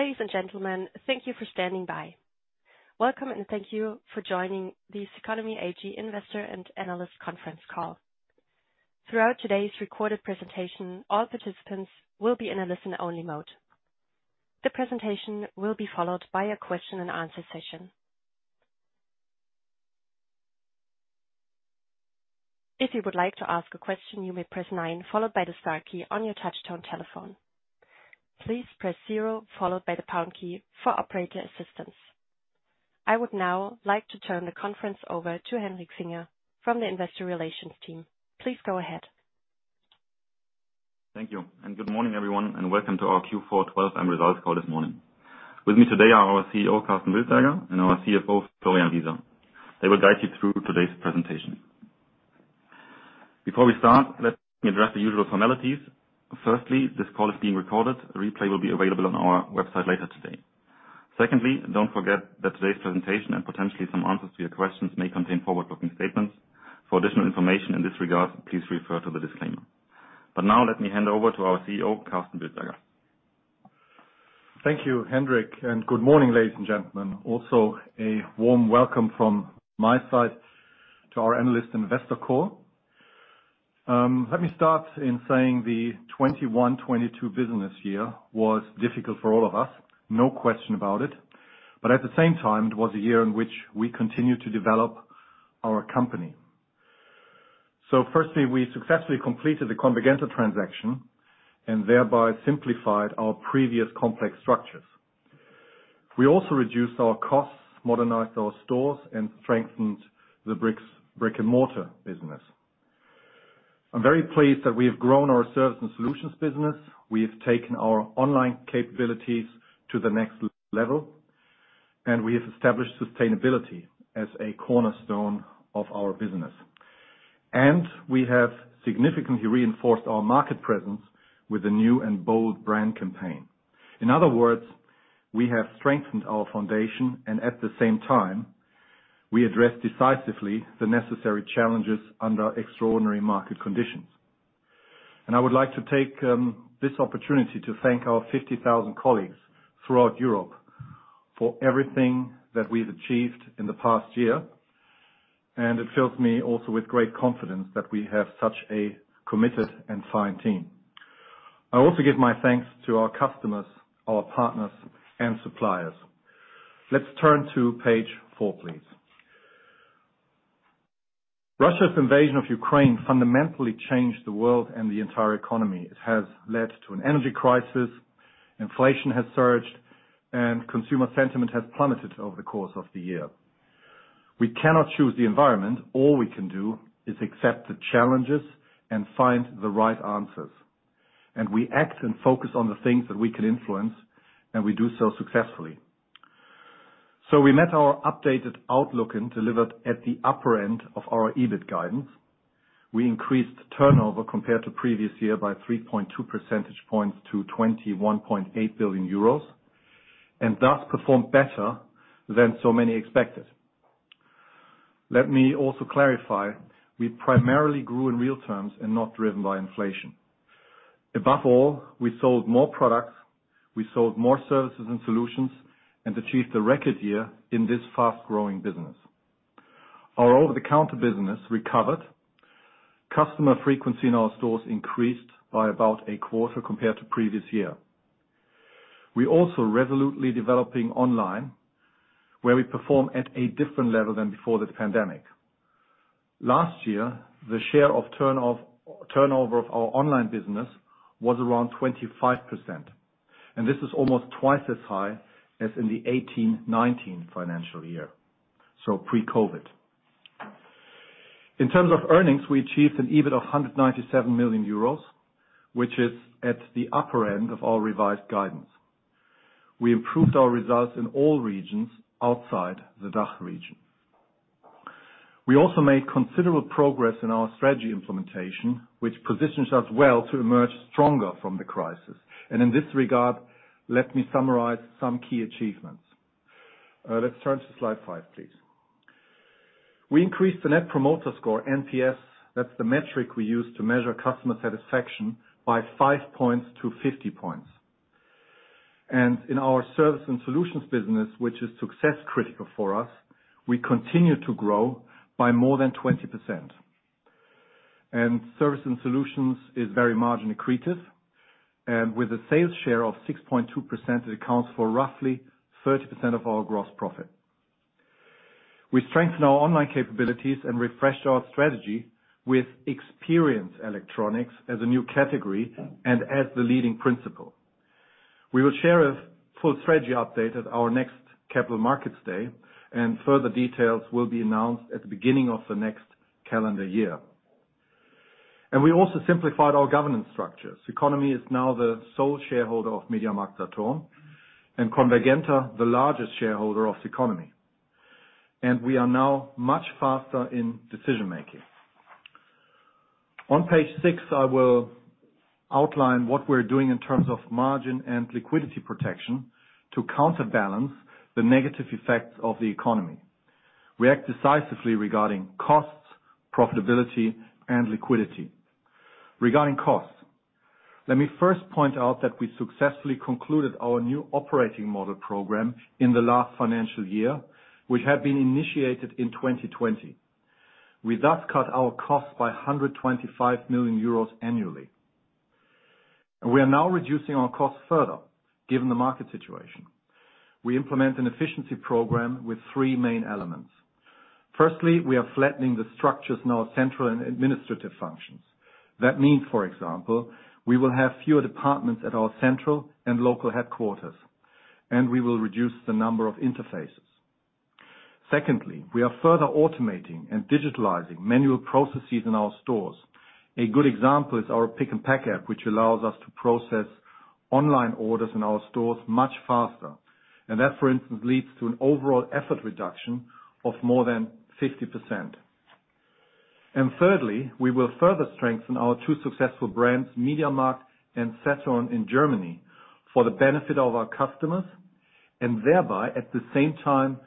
Ladies and gentlemen, thank you for standing by. Welcome, and thank you for joining the CECONOMY AG Investor and Analyst conference call. Throughout today's recorded presentation, all participants will be in a listen-only mode. The presentation will be followed by a question and answer session. If you would like to ask a question, you may press 9 followed by the star key on your touchtone telephone. Please press 0 followed by the pound key for operator assistance. I would now like to turn the conference over to Hendrik Finger from the investor relations team. Please go ahead. Thank you, good morning, everyone, and welcome to our Q4 12M results call this morning. With me today are our CEO, Karsten Wildberger, and our CFO, Florian Wieser. They will guide you through today's presentation. Before we start, let me address the usual formalities. Firstly, this call is being recorded. A replay will be available on our website later today. Secondly, don't forget that today's presentation and potentially some answers to your questions may contain forward-looking statements. For additional information in this regard, please refer to the disclaimer. Now let me hand over to our CEO, Karsten Wildberger. Thank you, Hendrik, and good morning, ladies and gentlemen. A warm welcome from my side to our analyst investor call. Let me start in saying the 2021-2022 business year was difficult for all of us, no question about it. At the same time, it was a year in which we continued to develop our company. Firstly, we successfully completed the Convergenta transaction and thereby simplified our previous complex structures. We also reduced our costs, modernized our stores, and strengthened the brick-and-mortar business. I'm very pleased that we have grown our service and solutions business. We have taken our online capabilities to the next level, and we have established sustainability as a cornerstone of our business. We have significantly reinforced our market presence with a new and bold brand campaign. In other words, we have strengthened our foundation and at the same time, we address decisively the necessary challenges under extraordinary market conditions. I would like to take this opportunity to thank our 50,000 colleagues throughout Europe for everything that we've achieved in the past year. It fills me also with great confidence that we have such a committed and fine team. I also give my thanks to our customers, our partners, and suppliers. Let's turn to page 4, please. Russia's invasion of Ukraine fundamentally changed the world and the entire economy. It has led to an energy crisis, inflation has surged, and consumer sentiment has plummeted over the course of the year. We cannot choose the environment. All we can do is accept the challenges and find the right answers. We act and focus on the things that we can influence, and we do so successfully. We met our updated outlook and delivered at the upper end of our EBIT guidance. We increased turnover compared to previous year by 3.2 percentage points to 21.8 billion euros, thus performed better than so many expected. Let me also clarify, we primarily grew in real terms and not driven by inflation. Above all, we sold more products, we sold more services and solutions and achieved a record year in this fast-growing business. Our over-the-counter business recovered. Customer frequency in our stores increased by about a quarter compared to previous year. We also resolutely developing online, where we perform at a different level than before the pandemic. Last year, the share of turnover of our online business was around 25%. This is almost twice as high as in the 2018-2019 financial year, so pre-COVID. In terms of earnings, we achieved an EBIT of 197 million euros, which is at the upper end of our revised guidance. We improved our results in all regions outside the DACH region. We also made considerable progress in our strategy implementation, which positions us well to emerge stronger from the crisis. In this regard, let me summarize some key achievements. Let's turn to slide 5, please. We increased the Net Promoter Score, NPS, that's the metric we use to measure customer satisfaction, by 5 points to 50 points. In our service and solutions business, which is success-critical for us, we continue to grow by more than 20%. Service and solutions is very margin accretive. With a sales share of 6.2%, it accounts for roughly 30% of our gross profit. We strengthen our online capabilities and refreshed our strategy with Experience Electronics as a new category and as the leading principle. We will share a full strategy update at our next Capital Markets Day, and further details will be announced at the beginning of the next calendar year. We also simplified our governance structures. CECONOMY is now the sole shareholder of MediaMarktSaturn, and Convergenta, the largest shareholder of CECONOMY. We are now much faster in decision-making. On page 6, I will outline what we're doing in terms of margin and liquidity protection to counterbalance the negative effects of the economy. We act decisively regarding costs, profitability, and liquidity. Regarding costs, let me first point out that we successfully concluded our new operating model program in the last financial year, which had been been initiated in 2020. We thus cut our costs by 125 million euros annually. We are now reducing our costs further given the market situation. We implement an efficiency program with three main elements. Firstly, we are flattening the structures in our central and administrative functions. That means, for example, we will have fewer departments at our central and local headquarters, and we will reduce the number of interfaces. Secondly, we are further automating and digitalizing manual processes in our stores. A good example is our Pick and Pack app, which allows us to process online orders in our stores much faster. That, for instance, leads to an overall effort reduction of more than 50%. Thirdly, we will further strengthen our two successful brands, MediaMarkt and Saturn in Germany for the benefit of our customers, and thereby, at the same time,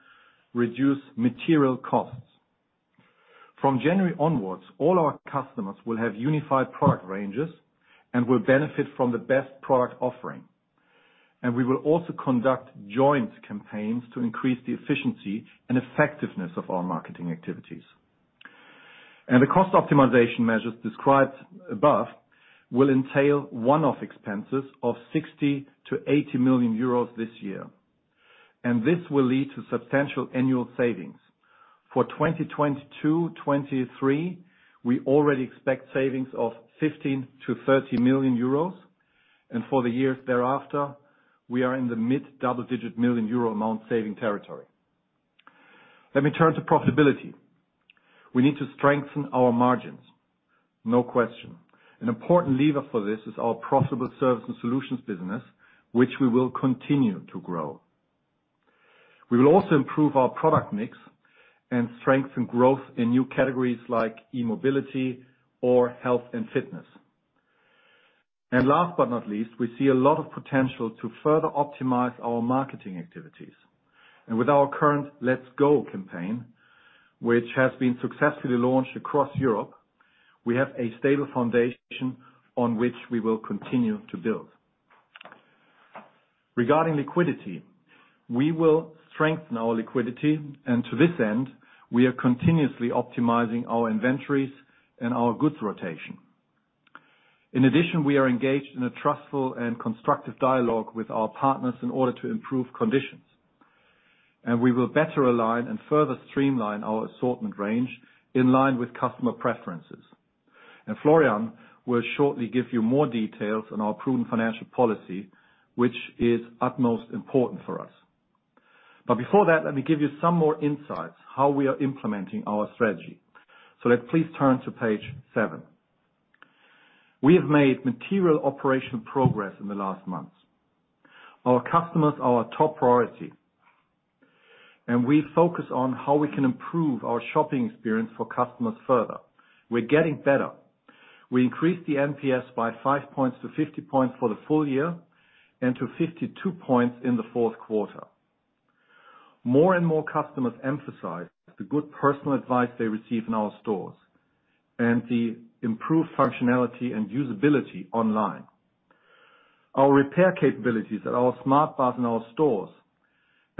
reduce material costs. From January onwards, all our customers will have unified product ranges and will benefit from the best product offering. We will also conduct joint campaigns to increase the efficiency and effectiveness of our marketing activities. The cost optimization measures described above will entail one-off expenses of 60 million-80 million euros this year, and this will lead to substantial annual savings. For 2022, 2023, we already expect savings of 15 million-30 million euros, and for the years thereafter, we are in the mid double-digit million EUR amount saving territory. Let me turn to profitability. We need to strengthen our margins. No question. An important lever for this is our profitable service and solutions business, which we will continue to grow. We will also improve our product mix and strengthen growth in new categories like e-mobility or health and fitness. Last but not least, we see a lot of potential to further optimize our marketing activities. With our current Let's Go campaign, which has been successfully launched across Europe, we have a stable foundation on which we will continue to build. Regarding liquidity, we will strengthen our liquidity, and to this end, we are continuously optimizing our inventories and our goods rotation. In addition, we are engaged in a trustful and constructive dialogue with our partners in order to improve conditions. We will better align and further streamline our assortment range in line with customer preferences. Florian will shortly give you more details on our prudent financial policy, which is utmost important for us. Before that, let me give you some more insights how we are implementing our strategy. Let's please turn to page 7. We have made material operational progress in the last months. Our customers are our top priority, and we focus on how we can improve our shopping experience for customers further. We're getting better. We increased the NPS by 5 points to 50 points for the full year and to 52 points in the fourth quarter. More and more customers emphasize the good personal advice they receive in our stores and the improved functionality and usability online. Our repair capabilities at our Smartbars in our stores,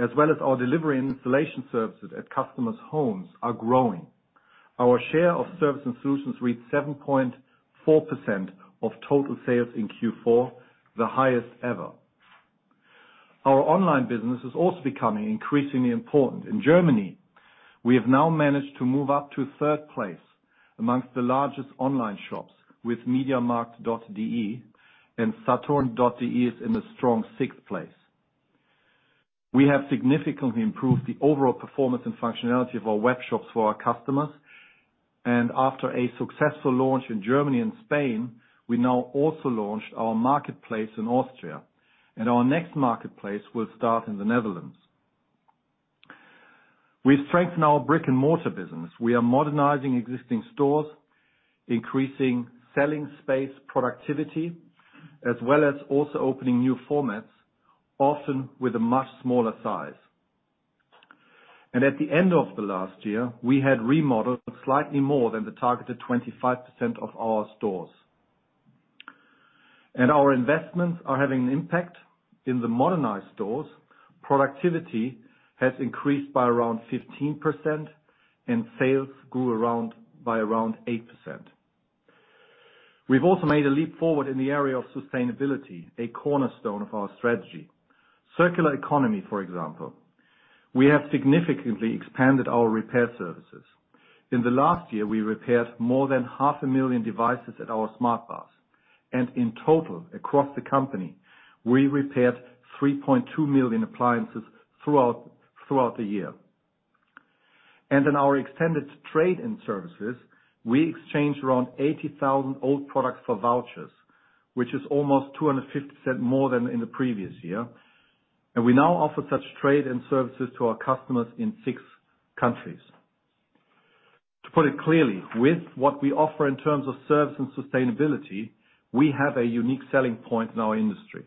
as well as our delivery and installation services at customers' homes are growing. Our share of service and solutions reached 7.4% of total sales in Q4, the highest ever. Our online business is also becoming increasingly important. In Germany, we have now managed to move up to third place amongst the largest online shops with mediamarkt.de and Saturn.de is in a strong sixth place. We have significantly improved the overall performance and functionality of our web shops for our customers. After a successful launch in Germany and Spain, we now also launched our marketplace in Austria. Our next marketplace will start in the Netherlands. We strengthen our brick-and-mortar business. We are modernizing existing stores, increasing selling space productivity, as well as also opening new formats, often with a much smaller size. At the end of the last year, we had remodeled slightly more than the targeted 25% of our stores. Our investments are having an impact. In the modernized stores, productivity has increased by around 15%, and sales grew by around 8%. We've also made a leap forward in the area of sustainability, a cornerstone of our strategy. Circular economy, for example. We have significantly expanded our repair services. In the last year, we repaired more than half a million devices at our Smartbars, and in total, across the company, we repaired 3.2 million appliances throughout the year. In our extended trade-in services, we exchanged around 80,000 old products for vouchers, which is almost 250% more than in the previous year. We now offer such trade-in services to our customers in 6 countries. To put it clearly, with what we offer in terms of service and sustainability, we have a unique selling point in our industry.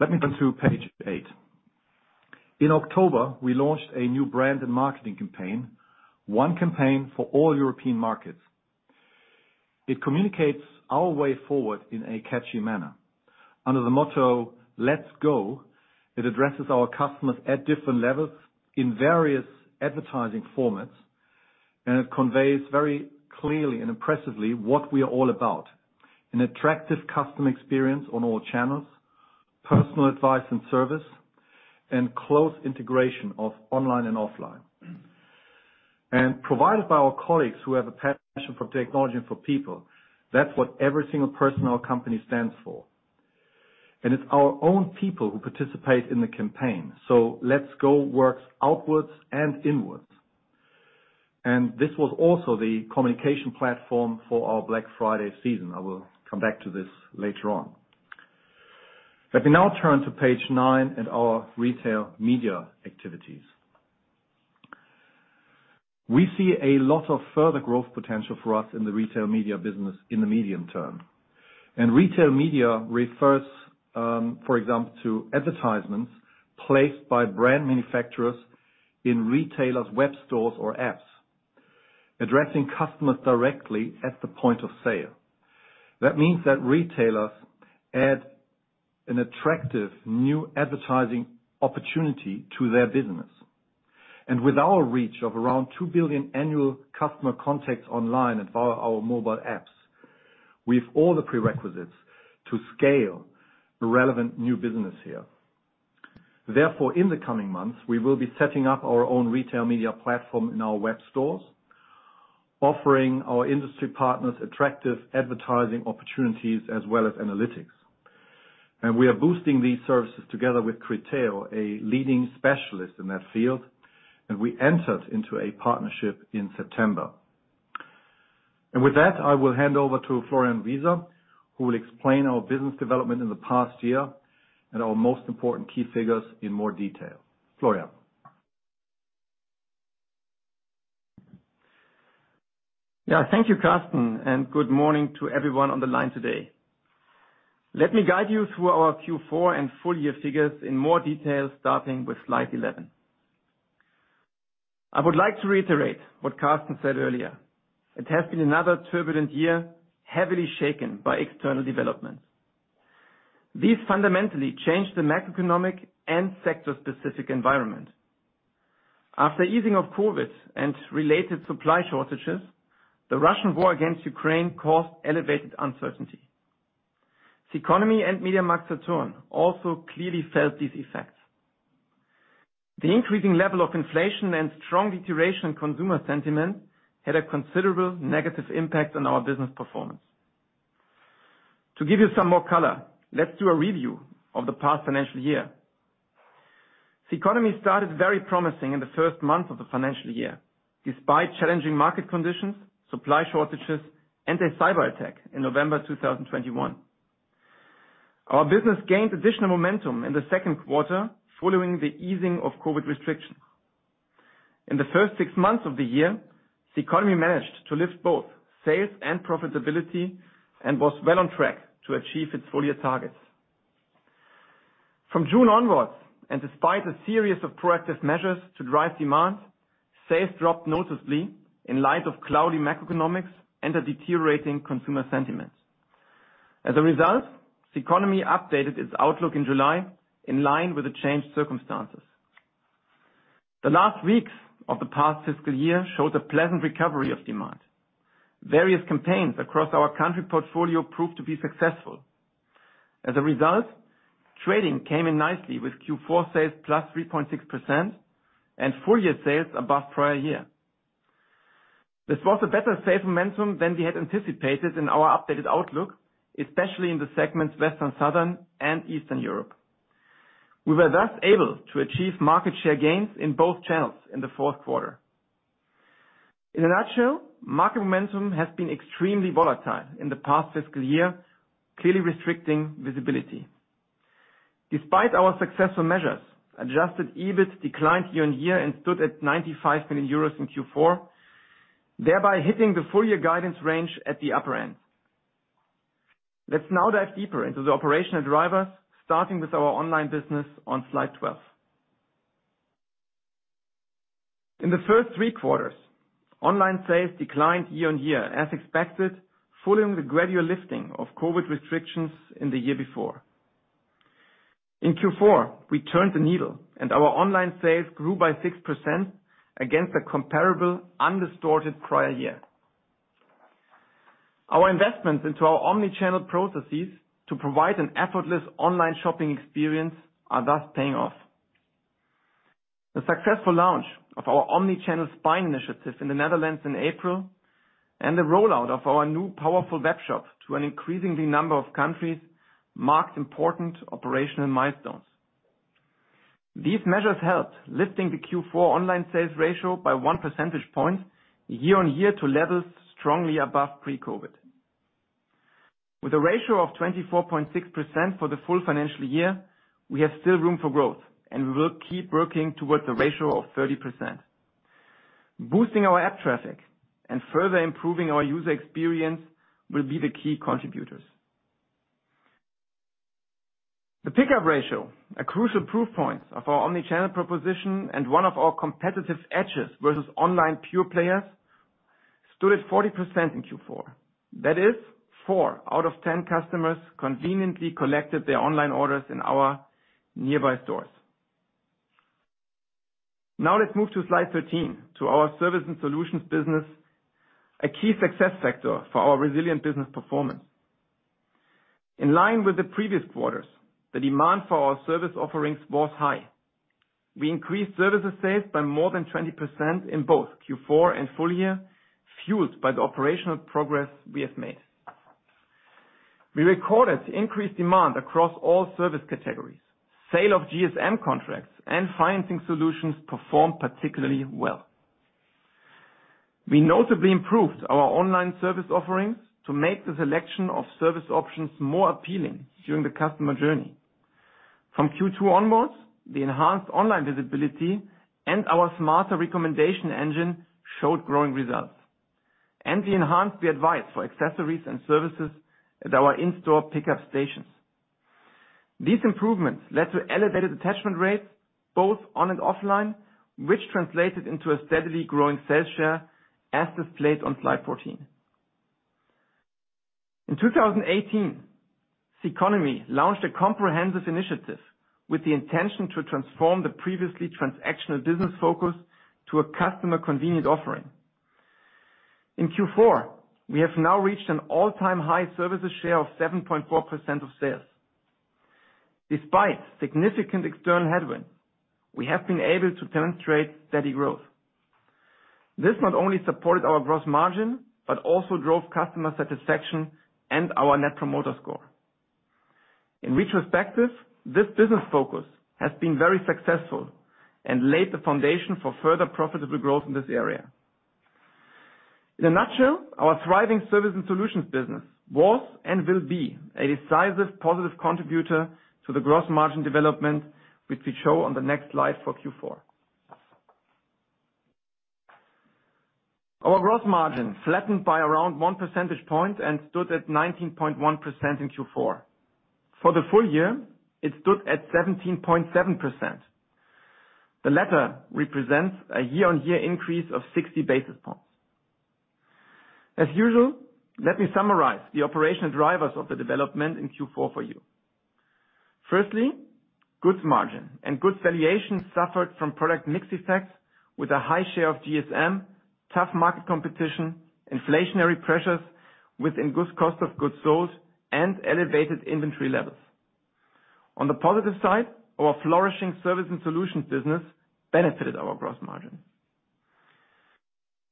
Let me go through page 8. In October, we launched a new brand and marketing campaign, one campaign for all European markets. It communicates our way forward in a catchy manner. Under the motto, "Let's Go," it addresses our customers at different levels in various advertising formats. It conveys very clearly and impressively what we are all about. An attractive customer experience on all channels, personal advice and service, and close integration of online and offline. Provided by our colleagues who have a passion for technology and for people, that's what every single person in our company stands for. It's our own people who participate in the campaign. Let's Go works outwards and inwards. This was also the communication platform for our Black Friday season. I will come back to this later on. Let me now turn to page nine and our retail media activities. We see a lot of further growth potential for us in the retail media business in the medium term. Retail media refers, for example, to advertisements placed by brand manufacturers in retailers' web stores or apps, addressing customers directly at the point of sale. That means that retailers add an attractive new advertising opportunity to their business. With our reach of around 2 billion annual customer contacts online and via our mobile apps, we have all the prerequisites to scale relevant new business here. Therefore, in the coming months, we will be setting up our own retail media platform in our web stores, offering our industry partners attractive advertising opportunities as well as analytics. We are boosting these services together with Criteo, a leading specialist in that field, and we entered into a partnership in September. With that, I will hand over to Florian Wieser, who will explain our business development in the past year and our most important key figures in more detail. Florian. Thank you, Karsten, and good morning to everyone on the line today. Let me guide you through our Q4 and full year figures in more detail, starting with slide 11. I would like to reiterate what Karsten said earlier. It has been another turbulent year, heavily shaken by external developments. These fundamentally changed the macroeconomic and sector-specific environment. After easing of COVID and related supply shortages, the Russian war against Ukraine caused elevated uncertainty. Ceconomy and MediaMarktSaturn also clearly felt these effects. The increasing level of inflation and strong deterioration in consumer sentiment had a considerable negative impact on our business performance. To give you some more color, let's do a review of the past financial year. Ceconomy started very promising in the first month of the financial year, despite challenging market conditions, supply shortages, and a cyberattack in November 2021. Our business gained additional momentum in the second quarter following the easing of COVID restrictions. In the first six months of the year, CECONOMY managed to lift both sales and profitability and was well on track to achieve its full-year targets. From June onwards, and despite a series of proactive measures to drive demand, sales dropped noticeably in light of cloudy macroeconomics and a deteriorating consumer sentiment. As a result, CECONOMY updated its outlook in July in line with the changed circumstances. The last weeks of the past fiscal year showed a pleasant recovery of demand. Various campaigns across our country portfolio proved to be successful. As a result, trading came in nicely with Q4 sales +3.6% and full-year sales above prior year. This was a better sales momentum than we had anticipated in our updated outlook, especially in the segments West and Southern and Eastern Europe. We were thus able to achieve market share gains in both channels in the fourth quarter. In a nutshell, market momentum has been extremely volatile in the past fiscal year, clearly restricting visibility. Despite our successful measures, adjusted EBIT declined year-on-year and stood at 95 million euros in Q4, thereby hitting the full year guidance range at the upper end. Let's now dive deeper into the operational drivers, starting with our online business on slide 12. In the first three quarters, online sales declined year-on-year as expected, following the gradual lifting of COVID restrictions in the year before. In Q4, we turned the needle and our online sales grew by 6% against a comparable undistorted prior year. Our investments into our omnichannel processes to provide an effortless online shopping experience are thus paying off. The successful launch of our Omnichannel Spine initiative in the Netherlands in April and the rollout of our new powerful webshop to an increasingly number of countries marked important operational milestones. These measures helped lifting the Q4 online sales ratio by 1 percentage point year-on-year to levels strongly above pre-COVID. With a ratio of 24.6% for the full financial year, we have still room for growth, and we will keep working towards a ratio of 30%. Boosting our app traffic and further improving our user experience will be the key contributors. The pickup ratio, a crucial proof point of our omnichannel proposition and one of our competitive edges versus online pure players, stood at 40% in Q4. That is 4 out of 10 customers conveniently collected their online orders in our nearby stores. Let's move to slide 13, to our service and solutions business, a key success factor for our resilient business performance. In line with the previous quarters, the demand for our service offerings was high. We increased services sales by more than 20% in both Q4 and full year, fueled by the operational progress we have made. We recorded increased demand across all service categories. Sale of GSM contracts and financing solutions performed particularly well. We notably improved our online service offerings to make the selection of service options more appealing during the customer journey. From Q2 onwards, the enhanced online visibility and our smarter recommendation engine showed growing results, and we enhanced the advice for accessories and services at our in-store pickup stations. These improvements led to elevated attachment rates, both on and offline, which translated into a steadily growing sales share, as displayed on slide 14. In 2018, CECONOMY launched a comprehensive initiative with the intention to transform the previously transactional business focus to a customer-convenient offering. In Q4, we have now reached an all-time high services share of 7.4% of sales. Despite significant external headwinds, we have been able to demonstrate steady growth. This not only supported our gross margin, but also drove customer satisfaction and our net promoter score. In retrospective, this business focus has been very successful and laid the foundation for further profitable growth in this area. In a nutshell, our thriving service and solutions business was and will be a decisive positive contributor to the gross margin development, which we show on the next slide for Q4. Our gross margin flattened by around 1 percentage point and stood at 19.1% in Q4. For the full year, it stood at 17.7%. The latter represents a year-on-year increase of 60 basis points. As usual, let me summarize the operational drivers of the development in Q4 for you. Firstly, goods margin and goods valuation suffered from product mix effects with a high share of GSM, tough market competition, inflationary pressures within goods cost of goods sold, and elevated inventory levels. On the positive side, our flourishing service and solutions business benefited our gross margin.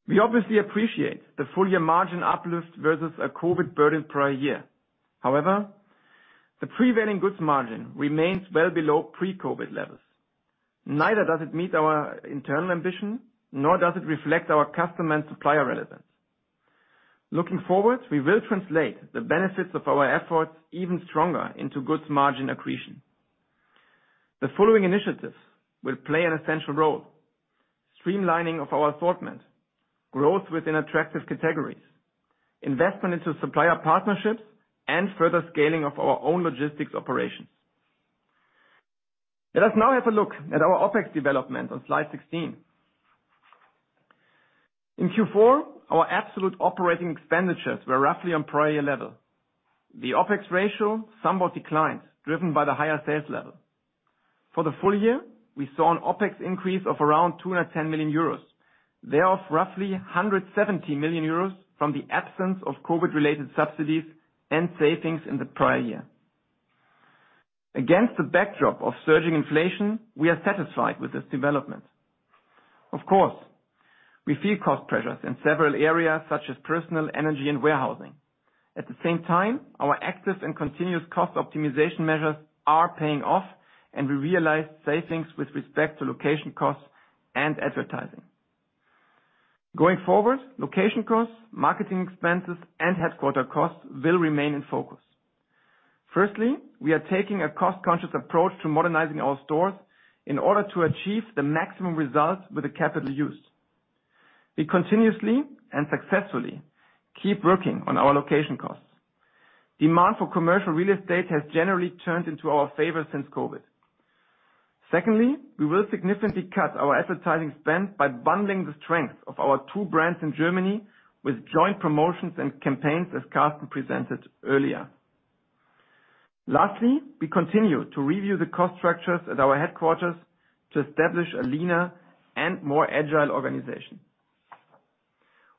We obviously appreciate the full year margin uplift versus a COVID-burdened prior year. However, the prevailing goods margin remains well below pre-COVID levels. Neither does it meet our internal ambition, nor does it reflect our customer and supplier relevance. Looking forward, we will translate the benefits of our efforts even stronger into goods margin accretion. The following initiatives will play an essential role: streamlining of our assortment, growth within attractive categories, investment into supplier partnerships, and further scaling of our own logistics operations. Let us now have a look at our OpEx development on slide 16. In Q4, our absolute operating expenditures were roughly on prior year level. The OpEx ratio somewhat declined, driven by the higher sales level. For the full year, we saw an OpEx increase of around 210 million euros. Thereof, roughly 170 million euros from the absence of COVID-related subsidies and savings in the prior year. Against the backdrop of surging inflation, we are satisfied with this development. Of course, we feel cost pressures in several areas such as personnel, energy, and warehousing. At the same time, our active and continuous cost optimization measures are paying off, and we realize savings with respect to location costs and advertising. Going forward, location costs, marketing expenses, and headquarter costs will remain in focus. Firstly, we are taking a cost-conscious approach to modernizing our stores in order to achieve the maximum results with the capital use. We continuously and successfully keep working on our location costs. Demand for commercial real estate has generally turned into our favor since COVID. Secondly, we will significantly cut our advertising spend by bundling the strength of our two brands in Germany with joint promotions and campaigns, as Karsten presented earlier. Lastly, we continue to review the cost structures at our headquarters to establish a leaner and more agile organization.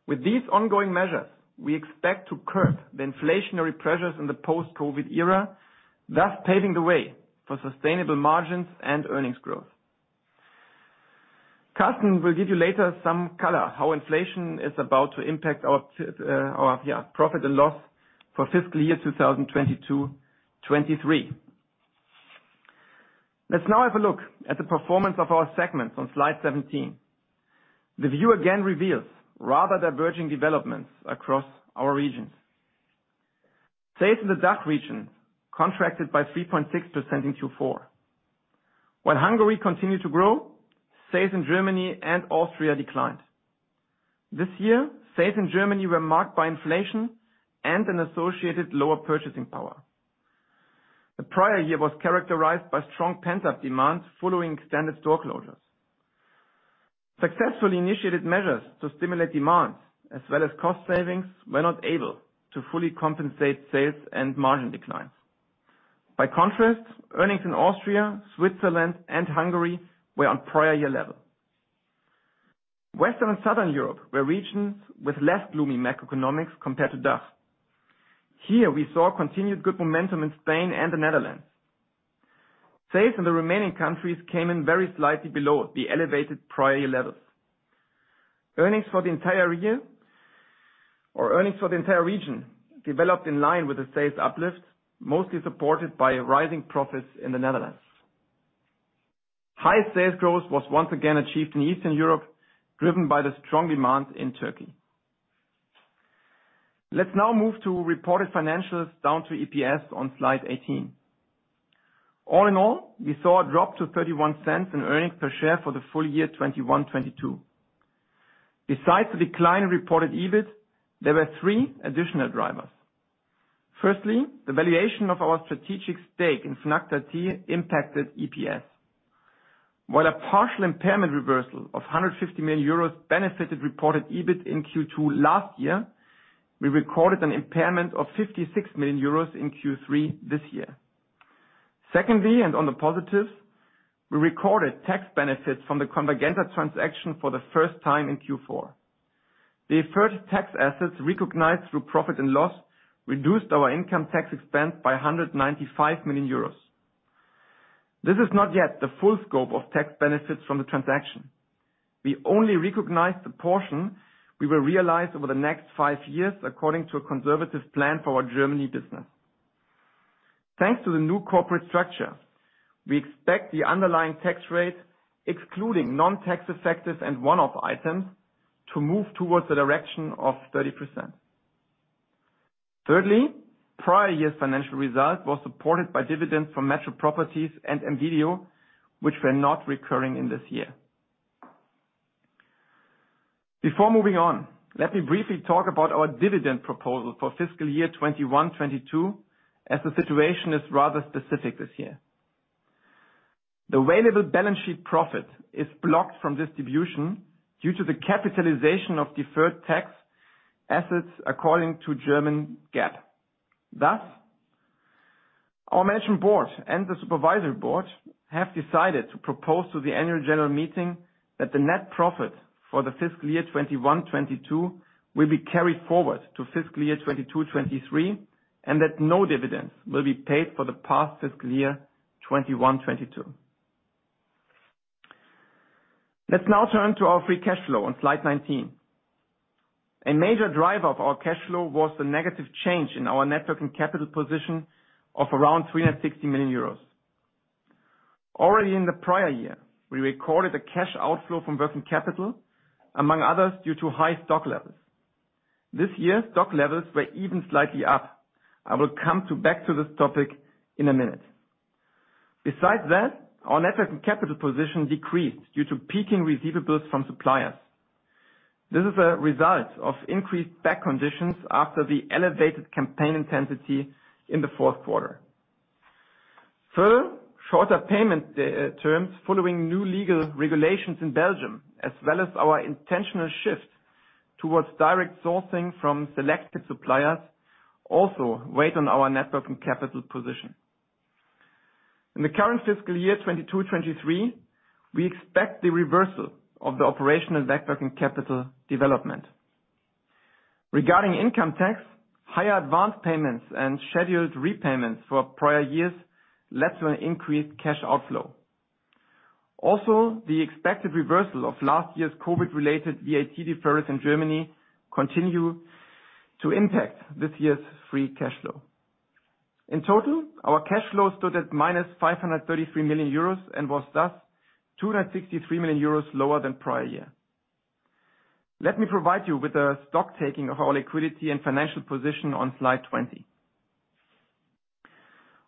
With these ongoing measures, we expect to curb the inflationary pressures in the post-COVID era, thus paving the way for sustainable margins and earnings growth. Carsten will give you later some color how inflation is about to impact our profit and loss for fiscal year 2022, 2023. Let's now have a look at the performance of our segments on slide 17. The view again reveals rather diverging developments across our regions. Sales in the DACH region contracted by 3.6% in Q4. Hungary continued to grow, sales in Germany and Austria declined. This year, sales in Germany were marked by inflation and an associated lower purchasing power. The prior year was characterized by strong pent-up demand following extended store closures. Successfully initiated measures to stimulate demand as well as cost savings were not able to fully compensate sales and margin declines. Earnings in Austria, Switzerland and Hungary were on prior year level. Western and Southern Europe were regions with less gloomy macroeconomics compared to DACH. Here we saw continued good momentum in Spain and the Netherlands. Sales in the remaining countries came in very slightly below the elevated prior year levels. Earnings for the entire year or earnings for the entire region developed in line with the sales uplift, mostly supported by rising profits in the Netherlands. High sales growth was once again achieved in Eastern Europe, driven by the strong demand in Turkey. Let's now move to reported financials down to EPS on slide 18. All in all, we saw a drop to 0.31 in earnings per share for the full year 2021/2022. Besides the decline in reported EBIT, there were 3 additional drivers. Firstly, the valuation of our strategic stake in Fnac Darty impacted EPS. While a partial impairment reversal of 150 million euros benefited reported EBIT in Q2 last year, we recorded an impairment of 56 million euros in Q3 this year. Secondly, on the positive, we recorded tax benefits from the Convergenta transaction for the first time in Q4. The deferred tax assets recognized through profit and loss reduced our income tax expense by 195 million euros. This is not yet the full scope of tax benefits from the transaction. We only recognized the portion we will realize over the next five years according to a conservative plan for our Germany business. Thanks to the new corporate structure, we expect the underlying tax rate, excluding non-tax effects and one-off items to move towards the direction of 30%. Thirdly, prior year's financial result was supported by dividends from Metro Properties and M.Video, which were not recurring in this year. Before moving on, let me briefly talk about our dividend proposal for fiscal year 2021, 2022, as the situation is rather specific this year. The available balance sheet profit is blocked from distribution due to the capitalization of deferred tax assets, according to German GAAP. Our Management Board and the Supervisory Board have decided to propose to the Annual General Meeting that the net profit for the fiscal year 2021, 2022 will be carried forward to fiscal year 2022, 2023, and that no dividends will be paid for the past fiscal year 2021, 2022. Let's now turn to our free cash flow on slide 19. A major driver of our cash flow was the negative change in our net working capital position of around 360 million euros. Already in the prior year, we recorded a cash outflow from working capital, among others, due to high stock levels. This year, stock levels were even slightly up. I will come to back to this topic in a minute. Besides that, our net working capital position decreased due to peaking receivables from suppliers. This is a result of increased back conditions after the elevated campaign intensity in the fourth quarter. Further, shorter payment terms following new legal regulations in Belgium, as well as our intentional shift towards direct sourcing from selected suppliers, also weighed on our net working capital position. In the current fiscal year 2022, 2023, we expect the reversal of the operational net working capital development. Regarding income tax, higher advance payments and scheduled repayments for prior years led to an increased cash outflow. The expected reversal of last year's COVID-related VAT deferrals in Germany continue to impact this year's free cash flow. Our cash flow stood at minus 533 million euros and was thus 263 million euros lower than prior year. Let me provide you with a stock taking of our liquidity and financial position on slide 20.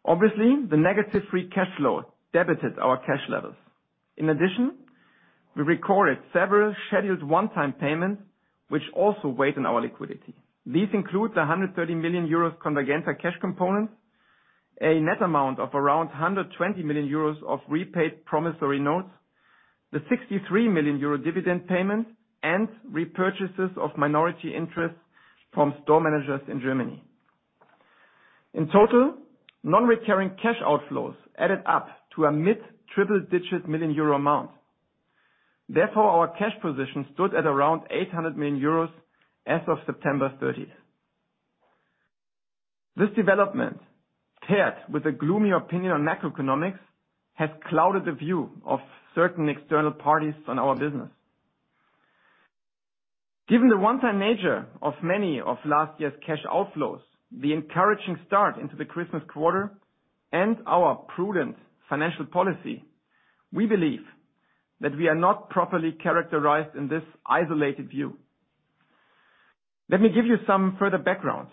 The negative free cash flow debited our cash levels. We recorded several scheduled one-time payments, which also weighed on our liquidity. These include the 130 million euros Convergenta cash component, a net amount of around 120 million euros of repaid promissory notes, the 63 million euro dividend payment, and repurchases of minority interests from store managers in Germany. In total, non-recurring cash outflows added up to a mid triple-digit million EUR amount. Our cash position stood at around 800 million euros as of September 30th. This development, paired with a gloomy opinion on macroeconomics, has clouded the view of certain external parties on our business. Given the one-time nature of many of last year's cash outflows, the encouraging start into the Christmas quarter and our prudent financial policy, we believe that we are not properly characterized in this isolated view. Let me give you some further background.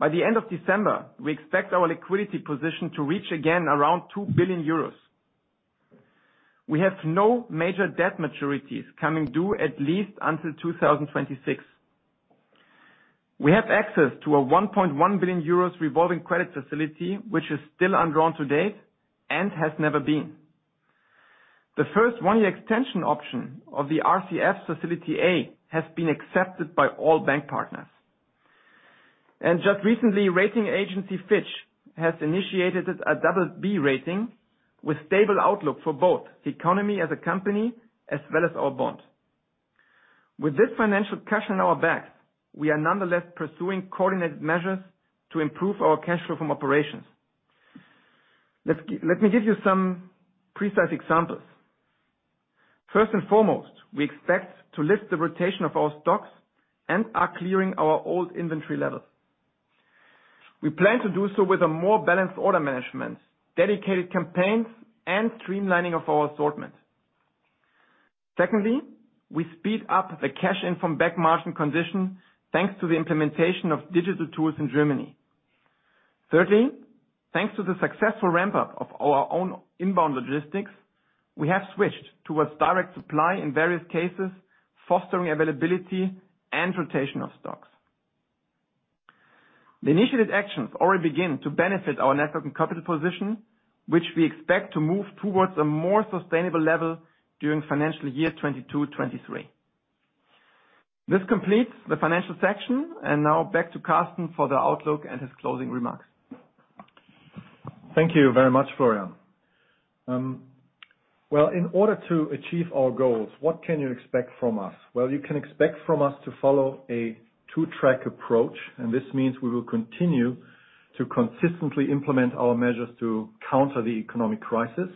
By the end of December, we expect our liquidity position to reach again around 2 billion euros. We have no major debt maturities coming due at least until 2026. We have access to a 1.1 billion euros revolving credit facility, which is still undrawn to date, and has never been. The first one-year extension option of the RCF facility A has been accepted by all bank partners. Just recently, rating agency Fitch has initiated a BB rating with stable outlook for both Ceconomy as a company as well as our bond. With this financial cash in our bank, we are nonetheless pursuing coordinated measures to improve our cash flow from operations. Let me give you some precise examples. First and foremost, we expect to lift the rotation of our stocks and are clearing our old inventory levels. We plan to do so with a more balanced order management, dedicated campaigns, and streamlining of our assortment. Secondly, we speed up the cash in from back margin condition, thanks to the implementation of digital tools in Germany. Thirdly, thanks to the successful ramp-up of our own inbound logistics, we have switched towards direct supply in various cases, fostering availability and rotation of stocks. The initiated actions already begin to benefit our net working capital position, which we expect to move towards a more sustainable level during financial year 2022, 2023. This completes the financial section. Now back to Karsten for the outlook and his closing remarks. Thank you very much, Florian. Well, in order to achieve our goals, what can you expect from us? Well, you can expect from us to follow a two-track approach. This means we will continue to consistently implement our measures to counter the economic crisis.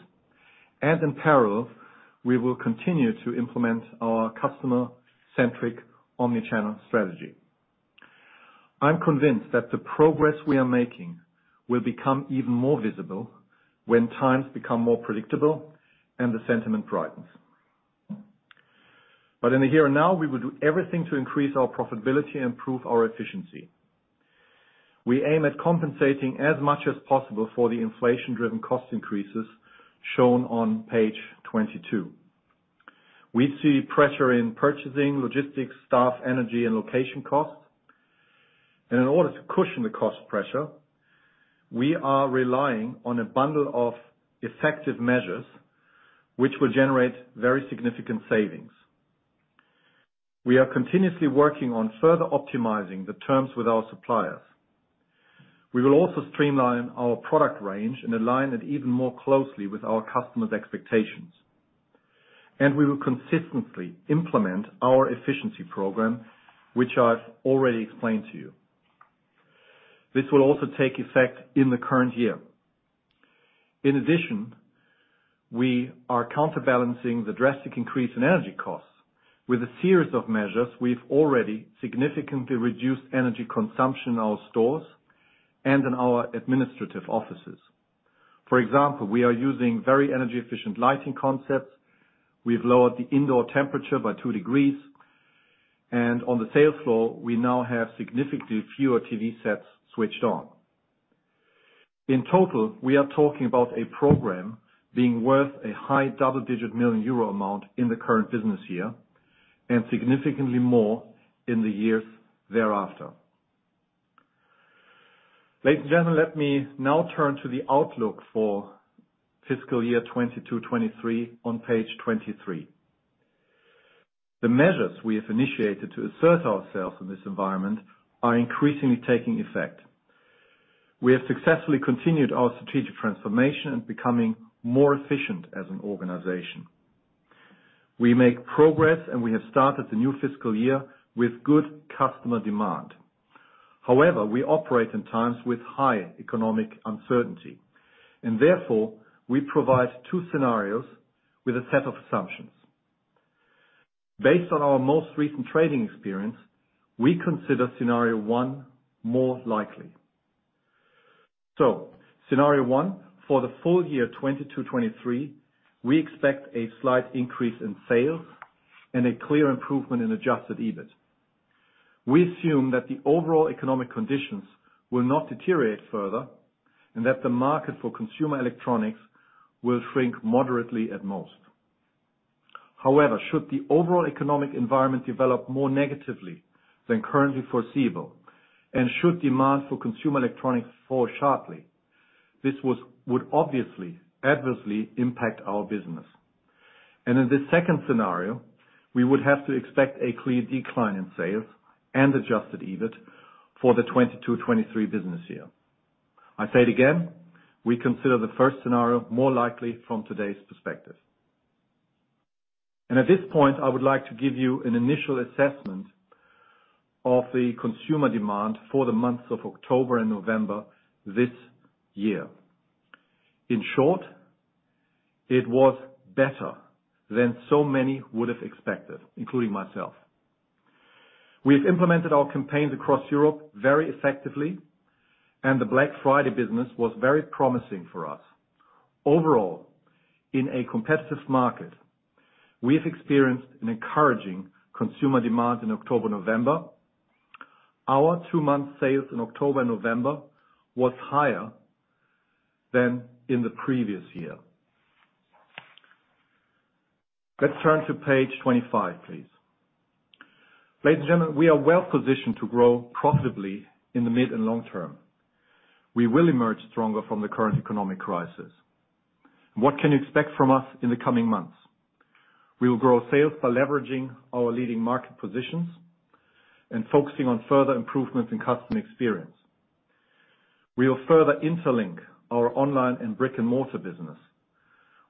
In parallel, we will continue to implement our customer-centric omnichannel strategy. I'm convinced that the progress we are making will become even more visible when times become more predictable and the sentiment brightens. In the here and now, we will do everything to increase our profitability and improve our efficiency. We aim at compensating as much as possible for the inflation-driven cost increases shown on page 22. We see pressure in purchasing, logistics, staff, energy, and location costs. In order to cushion the cost pressure, we are relying on a bundle of effective measures which will generate very significant savings. We are continuously working on further optimizing the terms with our suppliers. We will also streamline our product range and align it even more closely with our customers' expectations. We will consistently implement our efficiency program, which I've already explained to you. This will also take effect in the current year. In addition, we are counterbalancing the drastic increase in energy costs. With a series of measures, we've already significantly reduced energy consumption in our stores and in our administrative offices. For example, we are using very energy-efficient lighting concepts. We've lowered the indoor temperature by 2 degrees. On the sales floor, we now have significantly fewer TV sets switched on. In total, we are talking about a program being worth a high double-digit million EUR amount in the current business year and significantly more in the years thereafter. Ladies and gentlemen, let me now turn to the outlook for fiscal year 2022, 2023 on page 23. The measures we have initiated to assert ourselves in this environment are increasingly taking effect. We have successfully continued our strategic transformation and becoming more efficient as an organization. We make progress, and we have started the new fiscal year with good customer demand. However, we operate in times with high economic uncertainty, and therefore, we provide two scenarios with a set of assumptions. Based on our most recent trading experience, we consider scenario 1 more likely. Scenario 1, for the full year 2022, 2023, we expect a slight increase in sales and a clear improvement in adjusted EBIT. We assume that the overall economic conditions will not deteriorate further and that the market for consumer electronics will shrink moderately at most. Should the overall economic environment develop more negatively than currently foreseeable, and should demand for consumer electronics fall sharply, would obviously adversely impact our business. In the second scenario, we would have to expect a clear decline in sales and adjusted EBIT for the 2022, 2023 business year. I say it again, we consider the first scenario more likely from today's perspective. At this point, I would like to give you an initial assessment of the consumer demand for the months of October and November this year. In short, it was better than so many would have expected, including myself. We've implemented our campaigns across Europe very effectively, and the Black Friday business was very promising for us. Overall, in a competitive market, we've experienced an encouraging consumer demand in October, November. Our two-month sales in October, November was higher than in the previous year. Let's turn to page 25, please. Ladies and gentlemen, we are well-positioned to grow profitably in the mid and long term. We will emerge stronger from the current economic crisis. What can you expect from us in the coming months? We will grow sales by leveraging our leading market positions and focusing on further improvements in customer experience. We will further interlink our online and brick-and-mortar business.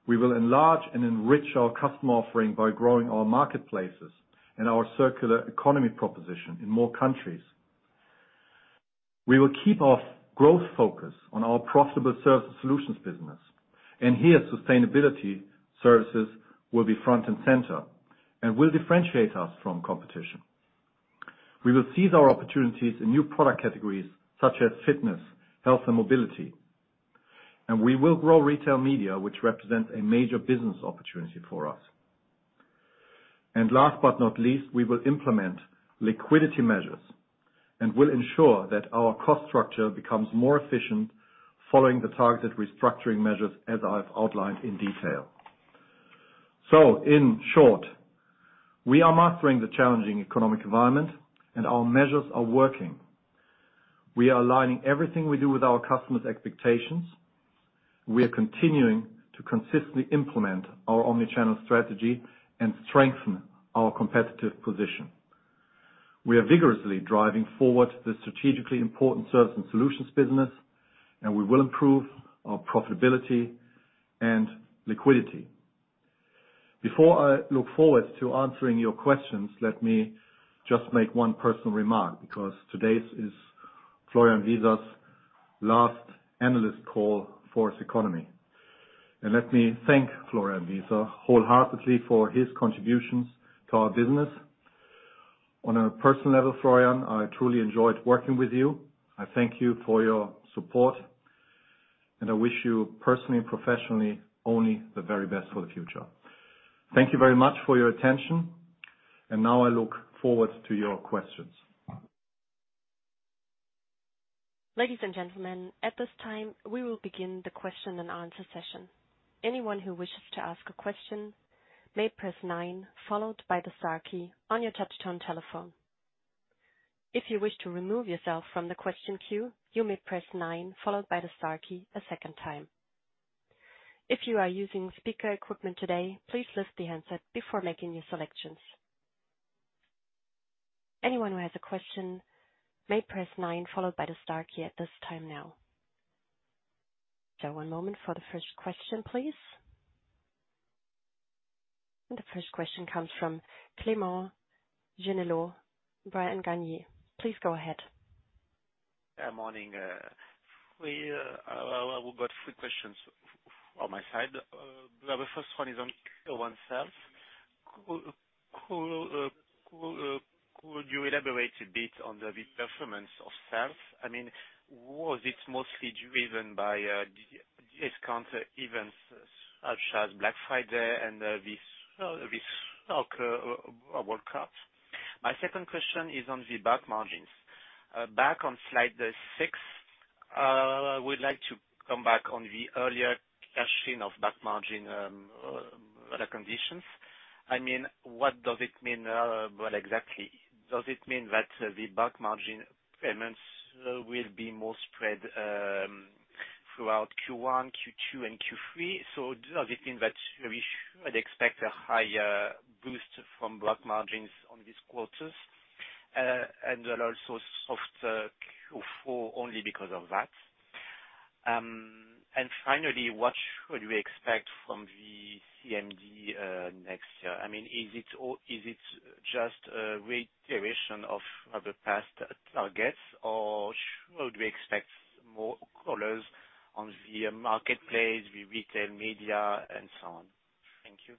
We will enlarge and enrich our customer offering by growing our marketplaces and our circular economy proposition in more countries. We will keep our growth focus on our profitable service solutions business, and here, sustainability services will be front and center and will differentiate us from competition. We will seize our opportunities in new product categories such as fitness, health, and mobility. We will grow retail media, which represents a major business opportunity for us. Last but not least, we will implement liquidity measures and will ensure that our cost structure becomes more efficient following the targeted restructuring measures as I've outlined in detail. In short, we are mastering the challenging economic environment, and our measures are working. We are aligning everything we do with our customers' expectations. We are continuing to consistently implement our omnichannel strategy and strengthen our competitive position. We are vigorously driving forward the strategically important service and solutions business, and we will improve our profitability and liquidity. Before I look forward to answering your questions, let me just make one personal remark because today is Florian Wieser's last analyst call for CECONOMY. Let me thank Florian Wieser wholeheartedly for his contributions to our business. On a personal level, Florian, I truly enjoyed working with you. I thank you for your support, and I wish you personally and professionally only the very best for the future. Thank you very much for your attention, and now I look forward to your questions. Ladies and gentlemen, at this time, we will begin the question and answer session. Anyone who wishes to ask a question may press 9 followed by the star key on your touchtone telephone. If you wish to remove yourself from the question queue, you may press 9 followed by the star key a second time. If you are using speaker equipment today, please lift the handset before making your selections. Anyone who has a question may press 9 followed by the star key at this time now. One moment for the 1st question, please. The 1st question comes from Clément Genelot, Bryan, Garnier. Please go ahead. Morning. We've got three questions from my side. The first one is on Q-one sales. Could you elaborate a bit on the performance of sales? I mean, was it mostly driven by discount events such as Black Friday and this soccer World Cup? My second question is on the back margins. Back on slide six, I would like to come back on the earlier question of back margin conditions. I mean, what does it mean, well, exactly? Does it mean that the back margin payments will be more spread throughout Q-one, Q-two, and Q-three? Does it mean that we should expect a higher boost from back margins on these quarters, and then also softer Q-four only because of that? Finally, what should we expect from the CMD next year? I mean, is it just a reiteration of the past targets, or should we expect more colors on the marketplace, the retail media, and so on? Thank you.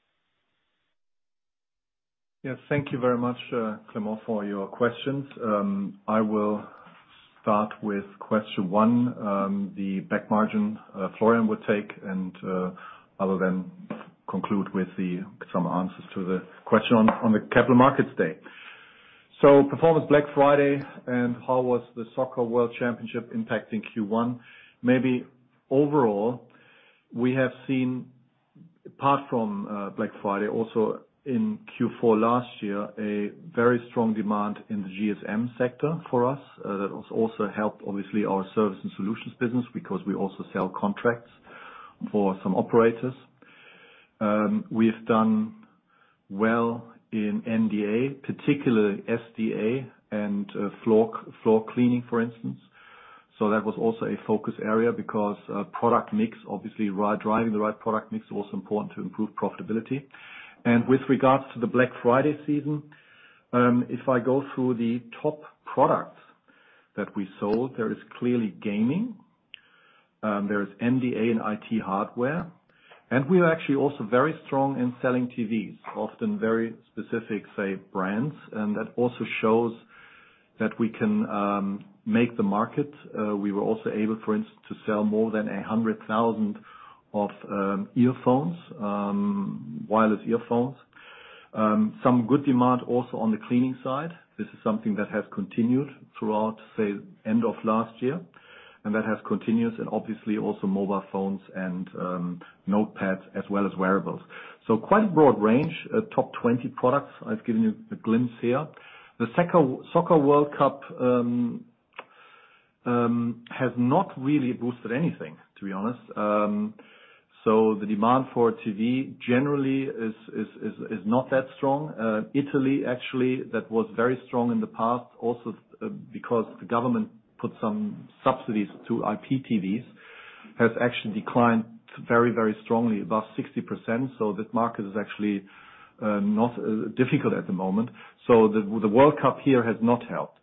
Yes. Thank you very much, Clément, for your questions. I will start with question 1, the back margin, Florian would take, I will then conclude with some answers to the question on the Capital Markets Day. Performance Black Friday and how was the soccer world championship impacting Q1? Maybe overall, we have seen, apart from Black Friday, also in Q4 last year, a very strong demand in the GSM sector for us. That was also helped obviously our service and solutions business because we also sell contracts for some operators. We have done well in NDA, particularly SDA and floor cleaning, for instance. That was also a focus area because product mix, obviously, driving the right product mix was important to improve profitability. With regards to the Black Friday season, if I go through the top products that we sold, there is clearly gaming. There is NDA and IT hardware. We are actually also very strong in selling TVs, often very specific, say, brands. That also shows that we can make the market. We were also able, for instance, to sell more than 100,000 of earphones, wireless earphones. Some good demand also on the cleaning side. This is something that has continued throughout, say, end of last year. That has continued. Obviously also mobile phones and notepads as well as wearables. Quite a broad range. Top 20 products. I've given you a glimpse here. The Soccer World Cup has not really boosted anything, to be honest. The demand for TV generally is not that strong. Italy, actually, that was very strong in the past also because the government put some subsidies to IPTVs, has actually declined very, very strongly, above 60%. This market is actually not difficult at the moment. The World Cup here has not helped.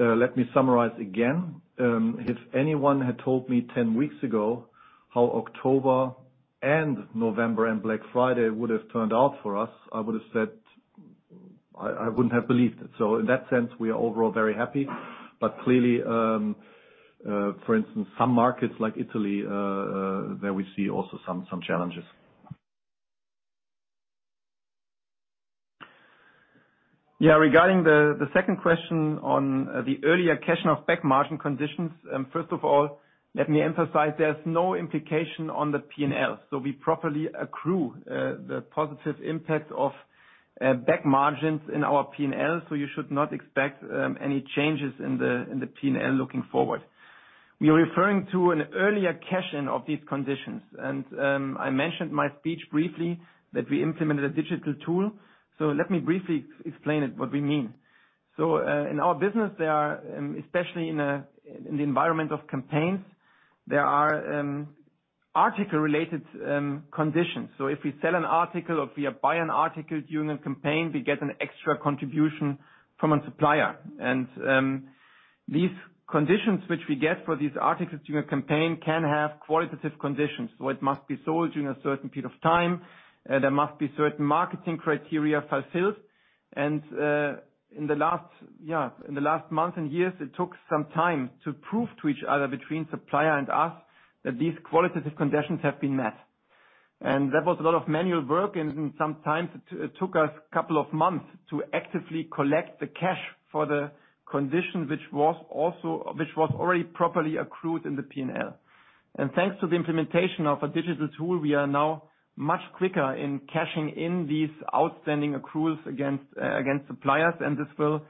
Let me summarize again. If anyone had told me 10 weeks ago how October and November and Black Friday would have turned out for us, I would have said I wouldn't have believed it. In that sense, we are overall very happy. Clearly, for instance, some markets like Italy, there we see also some challenges. Regarding the second question on the earlier question of back margin conditions. First of all, let me emphasize there's no implication on the P&L. We properly accrue the positive impact of back margins in our P&L, you should not expect any changes in the P&L looking forward. We are referring to an earlier cash-in of these conditions and I mentioned my speech briefly that we implemented a digital tool. Let me briefly explain it, what we mean. In our business there are, especially in the environment of campaigns, there are article-related conditions. If we sell an article or we buy an article during a campaign, we get an extra contribution from a supplier. These conditions which we get for these articles during a campaign can have qualitative conditions. It must be sold during a certain period of time, there must be certain marketing criteria fulfilled. In the last month and years, it took some time to prove to each other between supplier and us that these qualitative conditions have been met. There was a lot of manual work, and sometimes it took us a couple of months to actively collect the cash for the conditions, which was already properly accrued in the P&L. Thanks to the implementation of a digital tool, we are now much quicker in cashing in these outstanding accruals against suppliers, and this will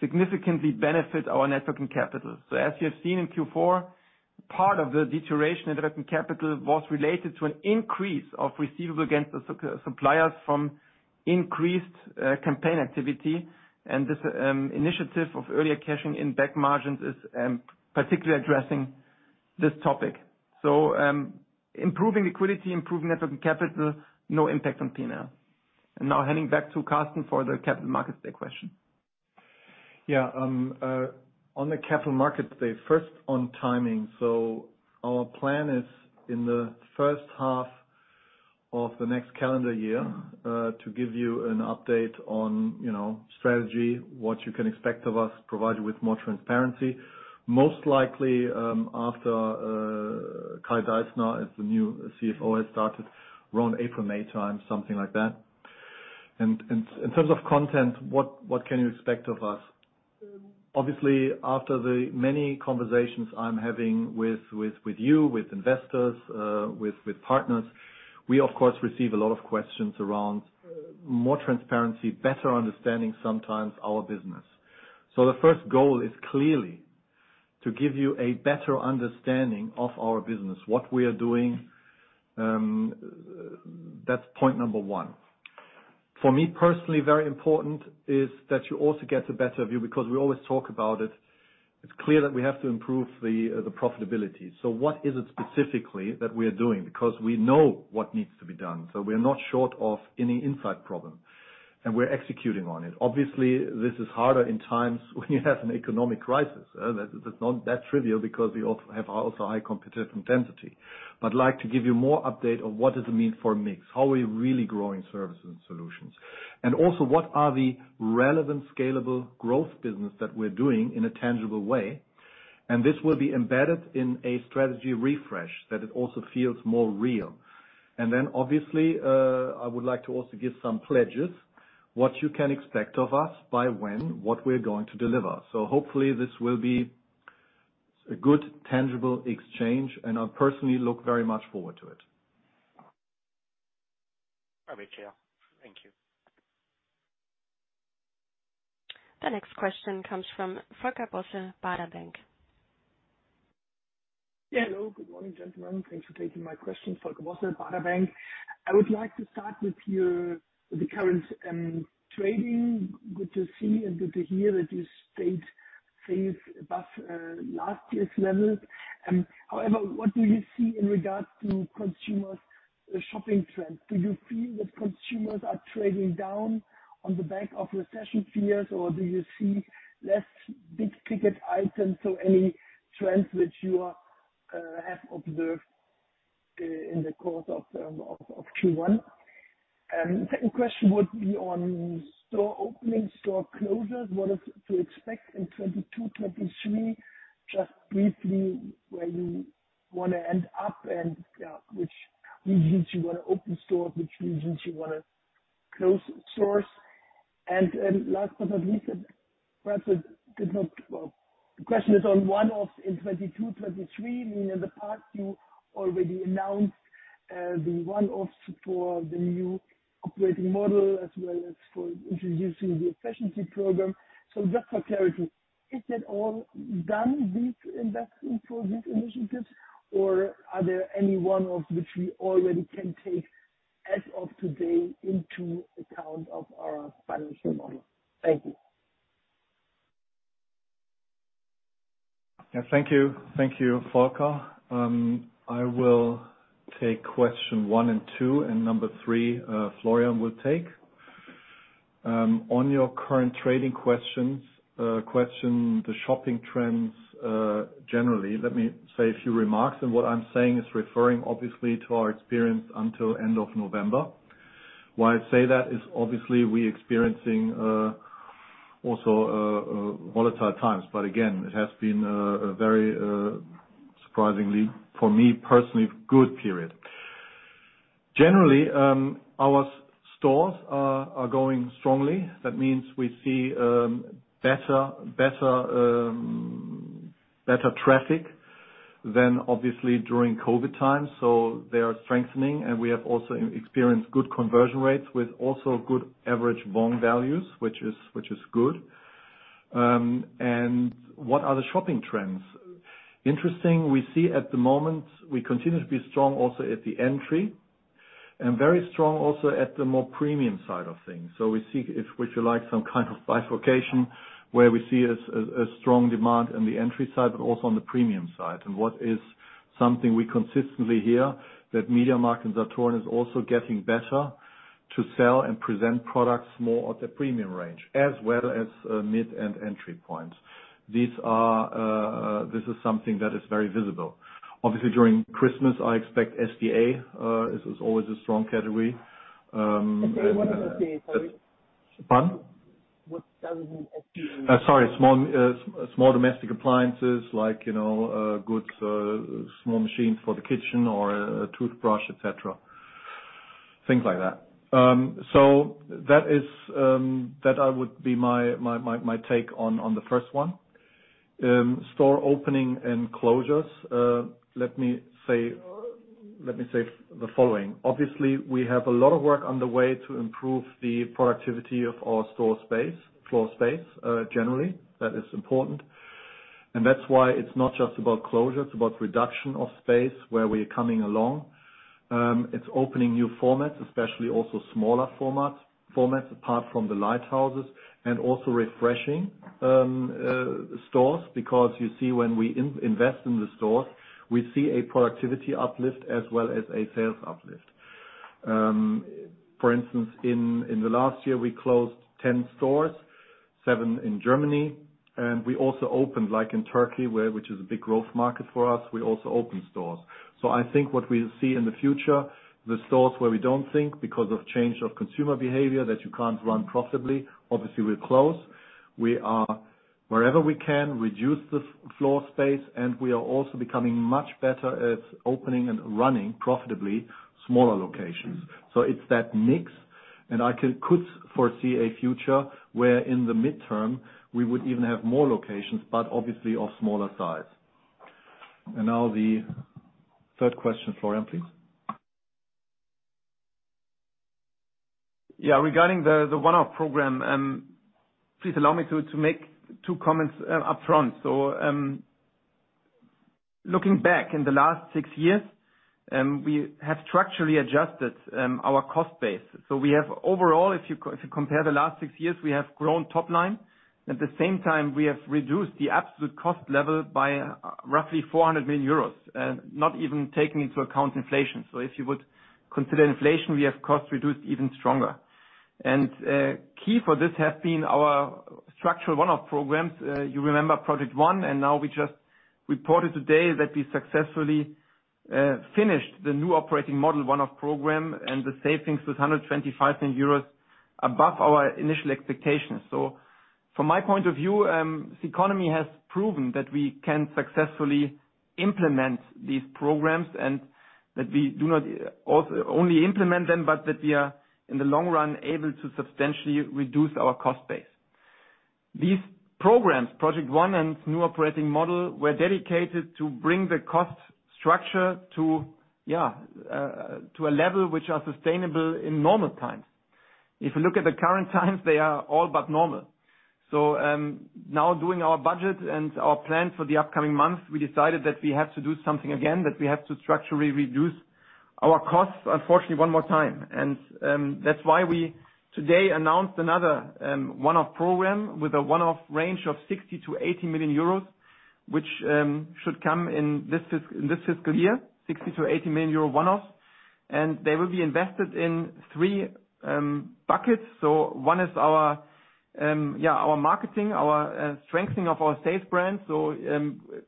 significantly benefit our net working capital. As you have seen in Q4, part of the deterioration in net working capital was related to an increase of receivable against the suppliers from increased campaign activity. This initiative of earlier cashing in back margins is particularly addressing this topic. improving liquidity, improving net working capital, no impact on P&L. handing back to Karsten for the Capital Markets Day question. Yeah. On the Capital Markets Day, first on timing. Our plan is in the first half of the next calendar year, to give you an update on, you know, strategy, what you can expect of us, provide you with more transparency. Most likely, after Kai-Ulrich Deissner, as the new CFO, has started around April, May time, something like that. In terms of content, what can you expect of us? Obviously, after the many conversations I'm having with you, with investors, with partners, we of course receive a lot of questions around more transparency, better understanding sometimes our business. The first goal is clearly to give you a better understanding of our business, what we are doing. That's point number one. For me, personally, very important is that you also get a better view because we always talk about it. It's clear that we have to improve the profitability. What is it specifically that we are doing? Because we know what needs to be done. We are not short of any insight problem, and we're executing on it. Obviously, this is harder in times when you have an economic crisis. That's not that trivial because we have also high competition density. I'd like to give you more update on what does it mean for mix, how are we really growing services and solutions, and also what are the relevant scalable growth business that we're doing in a tangible way. This will be embedded in a strategy refresh, that it also feels more real. Obviously, I would like to also give some pledges, what you can expect of us by when, what we're going to deliver. Hopefully, this will be a good tangible exchange, and I'll personally look very much forward to it. All right. Yeah. Thank you. The next question comes from Volker Bosse, Baader Bank. Hello. Good morning, gentlemen. Thanks for taking my question. Volker Bosse, Baader Bank. I would like to start with the current trading. Good to see and good to hear that you stayed safe above last year's level. However, what do you see in regard to consumers'The shopping trend. Do you feel that consumers are trading down on the back of recession fears or do you see less big-ticket items? Any trends which you are have observed in the course of Q1? Second question would be on store openings, store closures. What is to expect in 2022? Just briefly, where you wanna end up and which regions you wanna open stores, which regions you wanna close stores. Last but not least, well, the question is on one-offs in 2022, 2023. I mean, in the past, you already announced the one-offs for the new operating model as well as for introducing the efficiency program. Just for clarity, is that all done, these investments for these initiatives? Or are there any one of which we already can take as of today into account of our financial model? Thank you. Yeah, thank you. Thank you, Volker. I will take question 1 and 2, and number 3, Florian will take. On your current trading questions, question, the shopping trends, generally, let me say a few remarks. What I'm saying is referring obviously to our experience until end of November. Why I say that is obviously we experiencing, also, volatile times. Again, it has been a very, surprisingly, for me personally, good period. Generally, our stores are going strongly. That means we see better traffic than obviously during COVID times. They are strengthening, and we have also experienced good conversion rates with also good average volume values, which is good. What are the shopping trends? Interesting, we see at the moment, we continue to be strong also at the entry, and very strong also at the more premium side of things. We see, if you like, some kind of bifurcation where we see a strong demand in the entry side, but also on the premium side. What is something we consistently hear, that MediaMarktSaturn is also getting better to sell and present products more at the premium range, as well as mid and entry points. These are, this is something that is very visible. Obviously, during Christmas, I expect SDA is always a strong category. SDA, what does that mean? Sorry. Pardon? What does it mean, SDA? Sorry. Small Domestic Appliances like, you know, goods, small machines for the kitchen or a toothbrush, et cetera. Things like that. So that is, that would be my take on the first one. Store opening and closures, let me say the following. Obviously, we have a lot of work on the way to improve the productivity of our store space, floor space, generally. That is important. That's why it's not just about closure, it's about reduction of space where we're coming along. It's opening new formats, especially also smaller formats apart from the lighthouses, and also refreshing stores. You see when we invest in the stores, we see a productivity uplift as well as a sales uplift. For instance, in the last year, we closed 10 stores, 7 in Germany, and we also opened, like in Turkey, which is a big growth market for us, we also opened stores. I think what we'll see in the future, the stores where we don't think because of change of consumer behavior that you can't run profitably, obviously we'll close. We are, wherever we can, reduce the floor space, and we are also becoming much better at opening and running profitably smaller locations. It's that mix, and I could foresee a future where in the midterm, we would even have more locations, but obviously of smaller size. Now the third question, Florian, please. Regarding the one-off program, please allow me to make two comments up front. Looking back in the last six years, we have structurally adjusted our cost base. We have overall, if you compare the last six years, we have grown top line. At the same time, we have reduced the absolute cost level by roughly 400 million euros, not even taking into account inflation. If you would consider inflation, we have cost reduced even stronger. Key for this has been our structural one-off programs. You remember Project One, now we just reported today that we successfully finished the new operating model one-off program and the savings was 125 million euros above our initial expectations. From my point of view, CECONOMY has proven that we can successfully implement these programs and that we do not only implement them, but that we are, in the long run, able to substantially reduce our cost base. These programs, Project One and new operating model, were dedicated to bring the cost structure to a level which are sustainable in normal times. If you look at the current times, they are all but normal. Now doing our budget and our plan for the upcoming months, we decided that we have to do something again, that we have to structurally reduce our costs, unfortunately, one more time. That's why we today announced another one-off program with a one-off range of 60 million-80 million euros, which should come in this fiscal year, 60 million-80 million euro one-offs. They will be invested in three buckets. One is our, yeah, our marketing, our strengthening of our sales brands.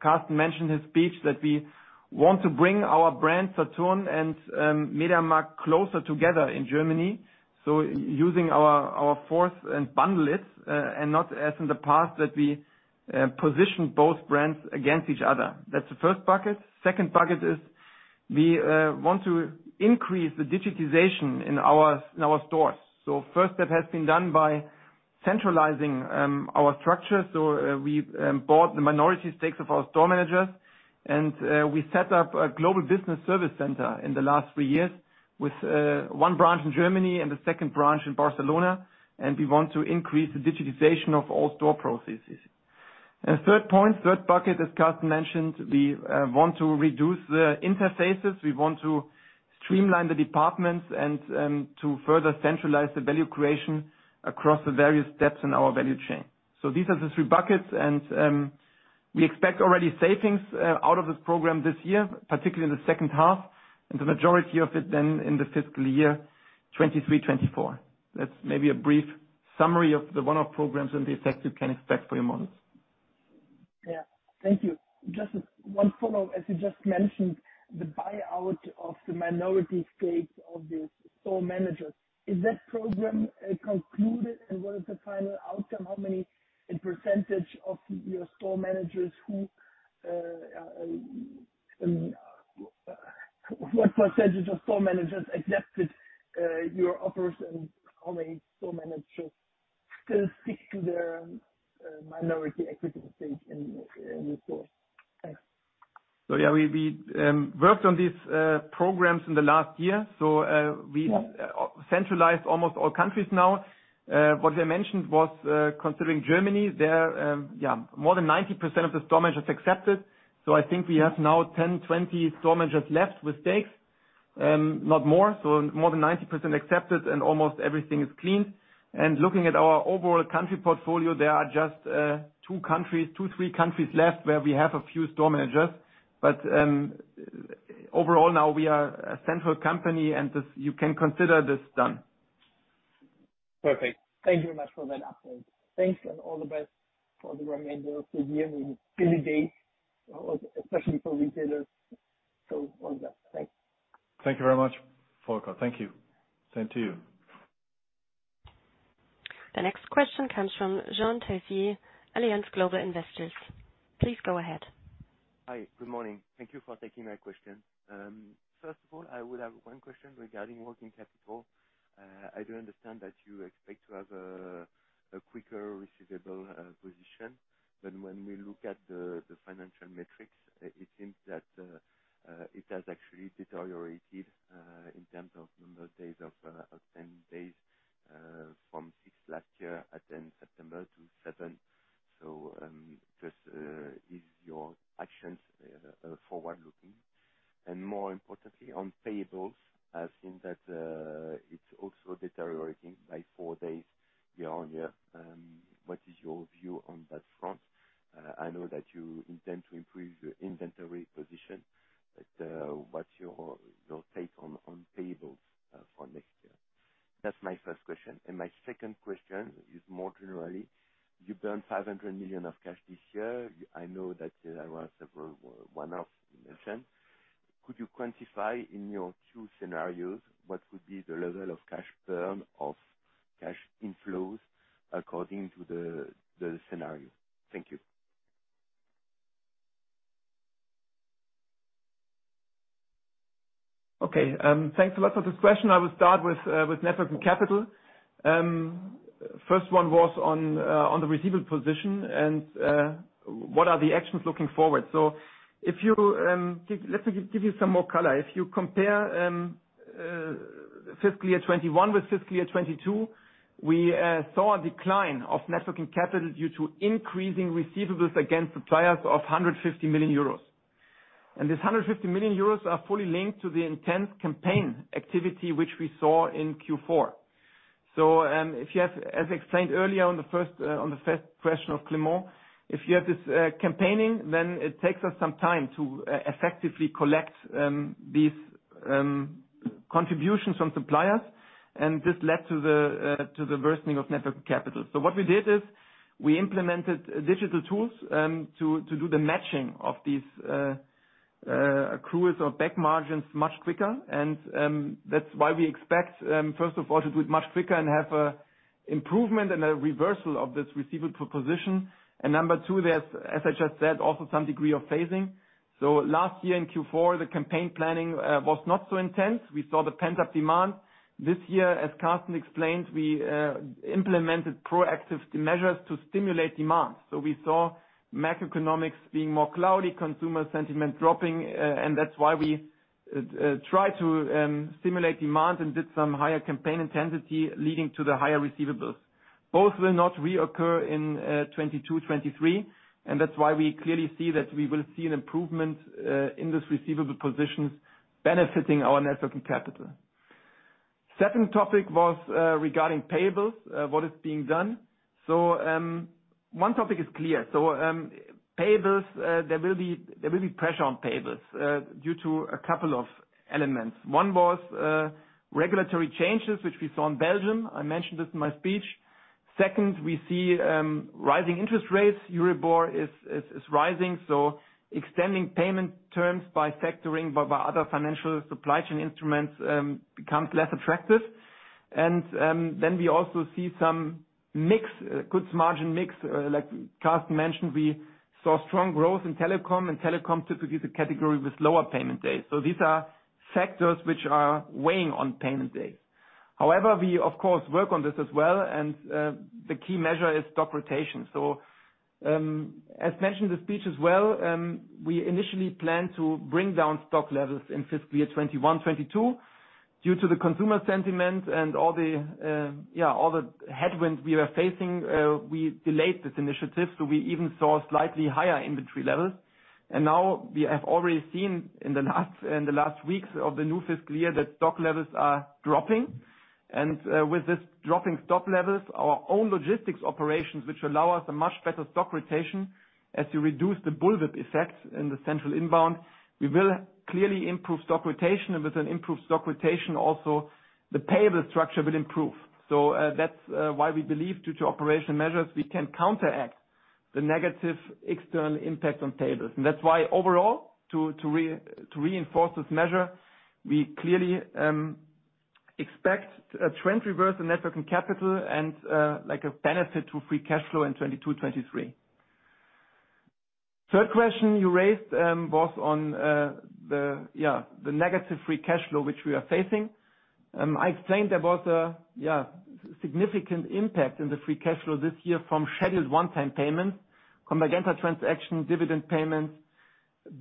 Karsten mentioned his speech that we want to bring our brands, Saturn and MediaMarkt, closer together in Germany. Using our force and bundle it, and not as in the past, that we position both brands against each other. That's the first bucket. Second bucket is we want to increase the digitization in our stores. First step has been done by centralizing our structure. We bought the minority stakes of our store managers, and we set up a global business service center in the last 3 years with 1 branch in Germany and a 2nd branch in Barcelona. We want to increase the digitization of all store processes. 3rd point, 3rd bucket, as Karsten mentioned, we want to reduce the interfaces, we want to streamline the departments and to further centralize the value creation across the various steps in our value chain. These are the 3 buckets and we expect already savings out of this program this year, particularly in the 2nd half, and the majority of it then in the fiscal year 2023/2024. That's maybe a brief summary of the one-off programs and the effects you can expect for your models. Yeah. Thank you. Just one follow-up. As you just mentioned, the buyout of the minority stakes of the store managers, is that program concluded, and what is the final outcome? How many, in % of your store managers who, I mean, what % of store managers accepted your offers, and how many store managers still stick to their minority equity stake in the store? Thanks. We worked on these programs in the last year. Yeah. We centralized almost all countries now. What I mentioned was, considering Germany there, more than 90% of the store managers accepted. I think we have now 10, 20 store managers left with stakes, not more. More than 90% accepted, and almost everything is clean. Looking at our overall country portfolio, there are just 2 countries, 2, 3 countries left where we have a few store managers. Overall, now we are a central company, and this, you can consider this done. Perfect. Thank you very much for that update. Thanks and all the best for the remainder of the year in busy days, especially for retailers. All the best. Thanks. Thank you very much, Volker. Thank you. Same to you. The next question comes from Jean Teurquetil, Allianz Global Investors. Please go ahead. Hi. Good morning. Thank you for taking my question. First of all, I would have 1 question regarding working capital. I do understand that you expect to have a quicker receivable position. When we look at the financial metrics, it seems that it has actually deteriorated in terms of number of days of 10 days, from 6 last year at then September to 7. Just, is your actions forward-looking? More importantly, on payables, I've seen that it's also deteriorating by 4 days year-on-year. What is your view on that front? I know that you intend to improve your inventory position, but what's your take on payables for next year? That's my first question. My second question is more generally, you've burned 500 million of cash this year. I know that there are several one-off mentioned. Could you quantify in your two scenarios what would be the level of cash burn of cash inflows according to the scenario? Thank you. Okay. Thanks a lot for this question. I will start with net working capital. First one was on the receivable position and what are the actions looking forward. If you let me give you some more color. If you compare fiscal year 21 with fiscal year 22, we saw a decline of net working capital due to increasing receivables against suppliers of 150 million euros. This 150 million euros are fully linked to the intense campaign activity which we saw in Q4. If you have, as explained earlier on the first question of Clément Genelot, if you have this campaigning, then it takes us some time to effectively collect these contributions from suppliers. This led to the worsening of net working capital. What we did is we implemented digital tools to do the matching of these accruals or back margins much quicker. That's why we expect, first of all, to do it much quicker and have improvement and a reversal of this receivable proposition. Number 2, there's, as I just said, also some degree of phasing. Last year in Q4, the campaign planning was not so intense. We saw the pent-up demand. This year, as Karsten explained, we implemented proactive measures to stimulate demand. We saw macroeconomics being more cloudy, consumer sentiment dropping, and that's why we tried to stimulate demand and did some higher campaign intensity, leading to the higher receivables. Both will not reoccur in 2022/2023. That's why we clearly see that we will see an improvement in this receivable positions benefiting our net working capital. Second topic was regarding payables, what is being done. One topic is clear. Payables, there will be pressure on payables due to a couple of elements. One was regulatory changes, which we saw in Belgium. I mentioned this in my speech. Second, we see rising interest rates. Euribor is rising. Extending payment terms by factoring by other financial supply chain instruments becomes less attractive. We also see some mix, goods margin mix, like Karsten mentioned, we saw strong growth in telecom. Telecom typically is a category with lower payment days. These are factors which are weighing on payment days. However, we of course work on this as well, and the key measure is stock rotation. As mentioned in the speech as well, we initially planned to bring down stock levels in fiscal year 2021, 2022. Due to the consumer sentiment and all the, yeah, all the headwinds we are facing, we delayed this initiative, so we even saw slightly higher inventory levels. Now we have already seen in the last weeks of the new fiscal year that stock levels are dropping. With this dropping stock levels, our own logistics operations, which allow us a much better stock rotation as you reduce the bullet effect in the central inbound, we will clearly improve stock rotation, and with an improved stock rotation also the payable structure will improve. That's why we believe due to operation measures, we can counteract the negative external impact on payables. That's why overall to reinforce this measure, we clearly expect a trend reverse in net working capital and like a benefit to free cash flow in 2022, 2023. Third question you raised was on the negative free cash flow which we are facing. I explained there was a significant impact in the free cash flow this year from scheduled one-time payments from Magenta transaction, dividend payments,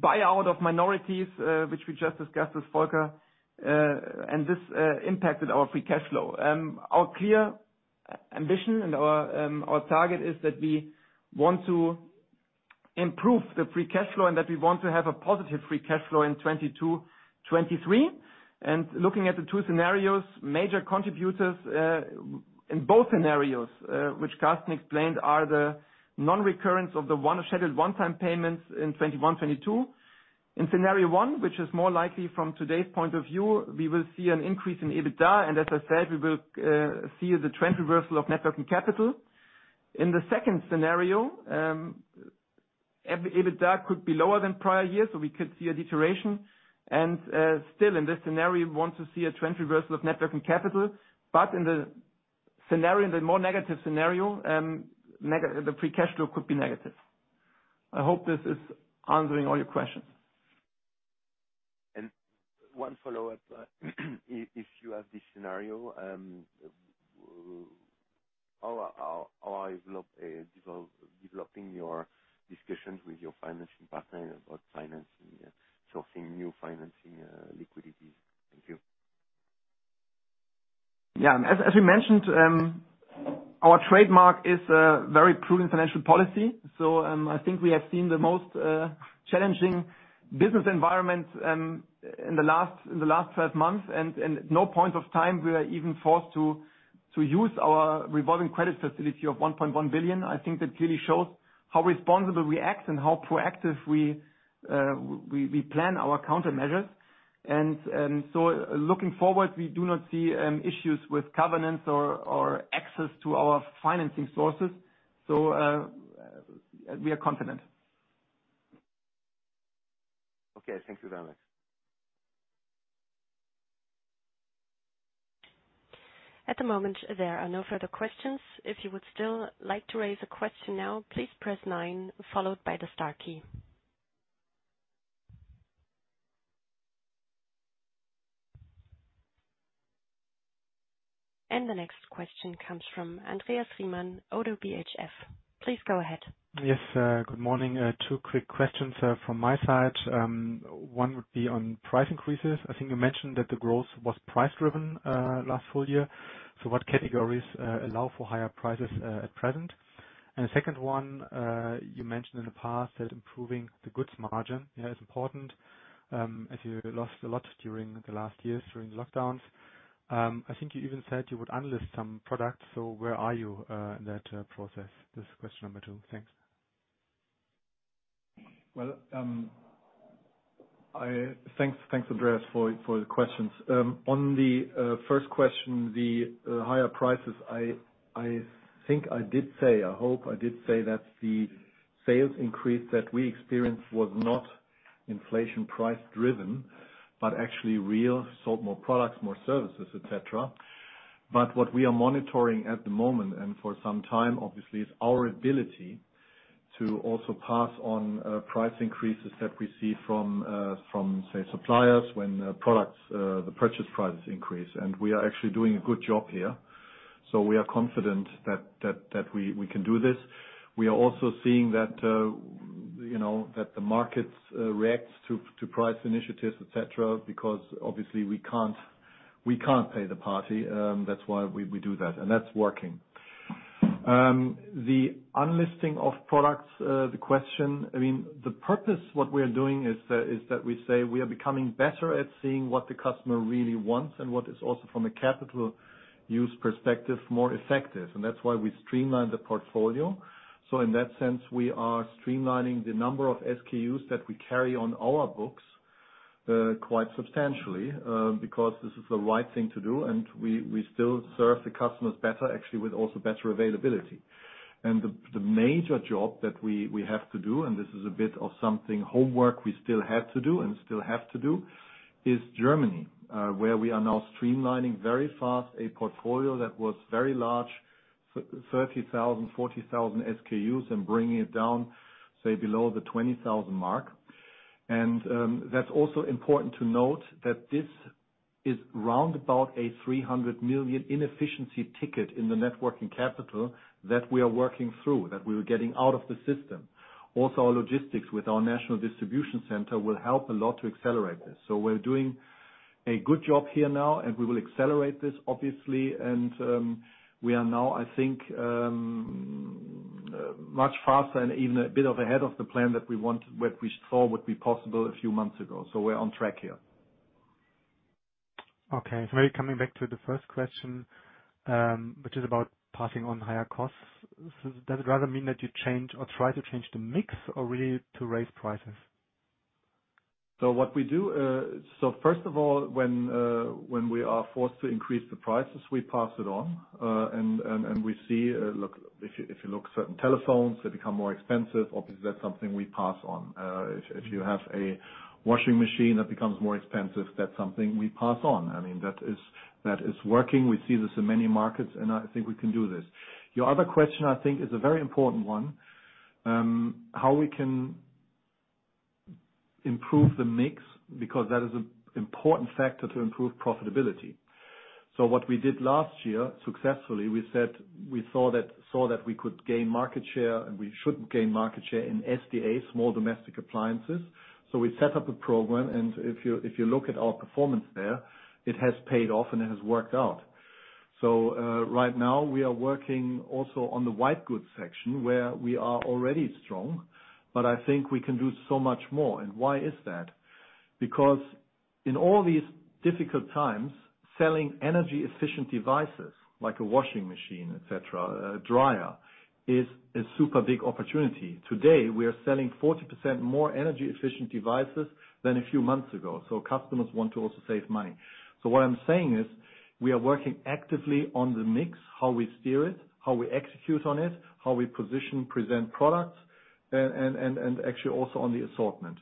buyout of minorities, which we just discussed with Volker, and this impacted our free cash flow. Our clear ambition and our target is that we want to improve the free cash flow and that we want to have a positive free cash flow in 2022, 2023. Looking at the two scenarios, major contributors in both scenarios, which Karsten explained are the non-recurrence of the scheduled one-time payments in 2021, 2022. In scenario 1, which is more likely from today's point of view, we will see an increase in EBITDA, and as I said, we will see the trend reversal of net working capital. In the second scenario, EBITDA could be lower than prior years, so we could see a deterioration. Still in this scenario, we want to see a trend reversal of net working capital, but in the scenario, the more negative scenario, the free cash flow could be negative. I hope this is answering all your questions. One follow-up. If you have this scenario, how are you developing your discussions with your financing partner about financing, sourcing new financing, liquidity? Thank you. Yeah. As we mentioned, our trademark is a very prudent financial policy. I think we have seen the most challenging business environment in the last 12 months, and no point of time we are even forced to use our revolving credit facility of 1.1 billion. I think that clearly shows how responsible we act and how proactive we plan our countermeasures. Looking forward, we do not see issues with covenants or access to our financing sources. We are confident. Okay. Thank you very much. At the moment, there are no further questions. If you would still like to raise a question now, please press nine followed by the star key. The next question comes from Andreas Riemann, ODDO BHF. Please go ahead. Yes, good morning. Two quick questions from my side. One would be on price increases. I think you mentioned that the growth was price driven last full year. What categories allow for higher prices at present? The second one, you mentioned in the past that improving the goods margin, yeah, is important, as you lost a lot during the last years during lockdowns. I think you even said you would unlist some products. Where are you in that process? This is question number two. Thanks. Thanks, Andreas, for the questions. On the first question, the higher prices, I think I did say, I hope I did say that the sales increase that we experienced was not inflation price driven, but actually real, sold more products, more services, et cetera. What we are monitoring at the moment, and for some time, obviously, is our ability to also pass on price increases that we see from, say, suppliers when products the purchase prices increase. We are actually doing a good job here. We are confident that we can do this. We are also seeing that, you know, that the markets react to price initiatives, et cetera, because obviously we can't pay the party. That's why we do that, and that's working. The unlisting of products, the question, I mean, the purpose what we are doing is that we say we are becoming better at seeing what the customer really wants and what is also from a capital use perspective, more effective. That's why we streamline the portfolio. In that sense, we are streamlining the number of SKUs that we carry on our books, quite substantially, because this is the right thing to do and we still serve the customers better actually with also better availability. The major job that we have to do and this is a bit of something homework we still had to do and still have to do is Germany, where we are now streamlining very fast a portfolio that was very large 30,000, 40,000 SKUs and bringing it down, say below the 20,000 mark. That's also important to note that this is round about a 300 million inefficiency ticket in the networking capital that we are working through, that we are getting out of the system. Our logistics with our national distribution center will help a lot to accelerate this. We're doing a good job here now and we will accelerate this obviously. We are now I think much faster and even a bit ahead of the plan that what we saw would be possible a few months ago. We're on track here. Okay. Maybe coming back to the first question, which is about passing on higher costs. Does it rather mean that you change or try to change the mix or really to raise prices? What we do, first of all, when we are forced to increase the prices we pass it on, and we see, look, if you look certain telephones they become more expensive. Obviously that's something we pass on. If you have a washing machine that becomes more expensive, that's something we pass on. I mean, that is working. We see this in many markets and I think we can do this. Your other question I think is a very important one. How we can improve the mix because that is an important factor to improve profitability. What we did last year successfully, we said we saw that we could gain market share and we should gain market share in SDA, small domestic appliances. We set up a program and if you look at our performance there, it has paid off and it has worked out. Right now we are working also on the white goods section where we are already strong, but I think we can do so much more. Why is that? Because in all these difficult times, selling energy efficient devices like a washing machine, et cetera, a dryer is a super big opportunity. Today we are selling 40% more energy efficient devices than a few months ago. Customers want to also save money. What I'm saying is we are working actively on the mix, how we steer it, how we execute on it, how we position, present products and actually also on the assortment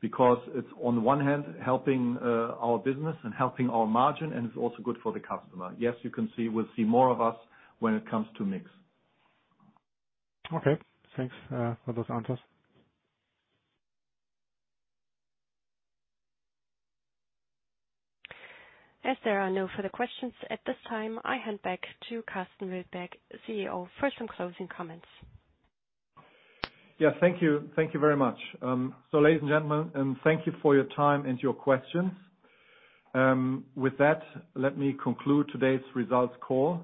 because it's on one hand helping our business and helping our margin and it's also good for the customer. Yes, you can see, will see more of us when it comes to mix. Okay. Thanks for those answers. As there are no further questions at this time, I hand back to Karsten Wildberger, CEO for some closing comments. Yeah. Thank you. Thank you very much. Ladies and gentlemen, thank you for your time and your questions. With that, let me conclude today's results call.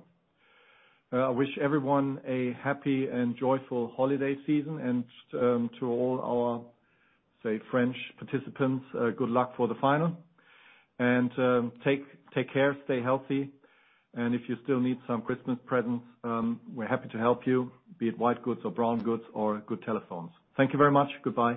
I wish everyone a happy and joyful holiday season and to all our say French participants, good luck for the final and take care, stay healthy and if you still need some Christmas presents, we're happy to help you be it white goods or brown goods or good telephones. Thank you very much. Goodbye.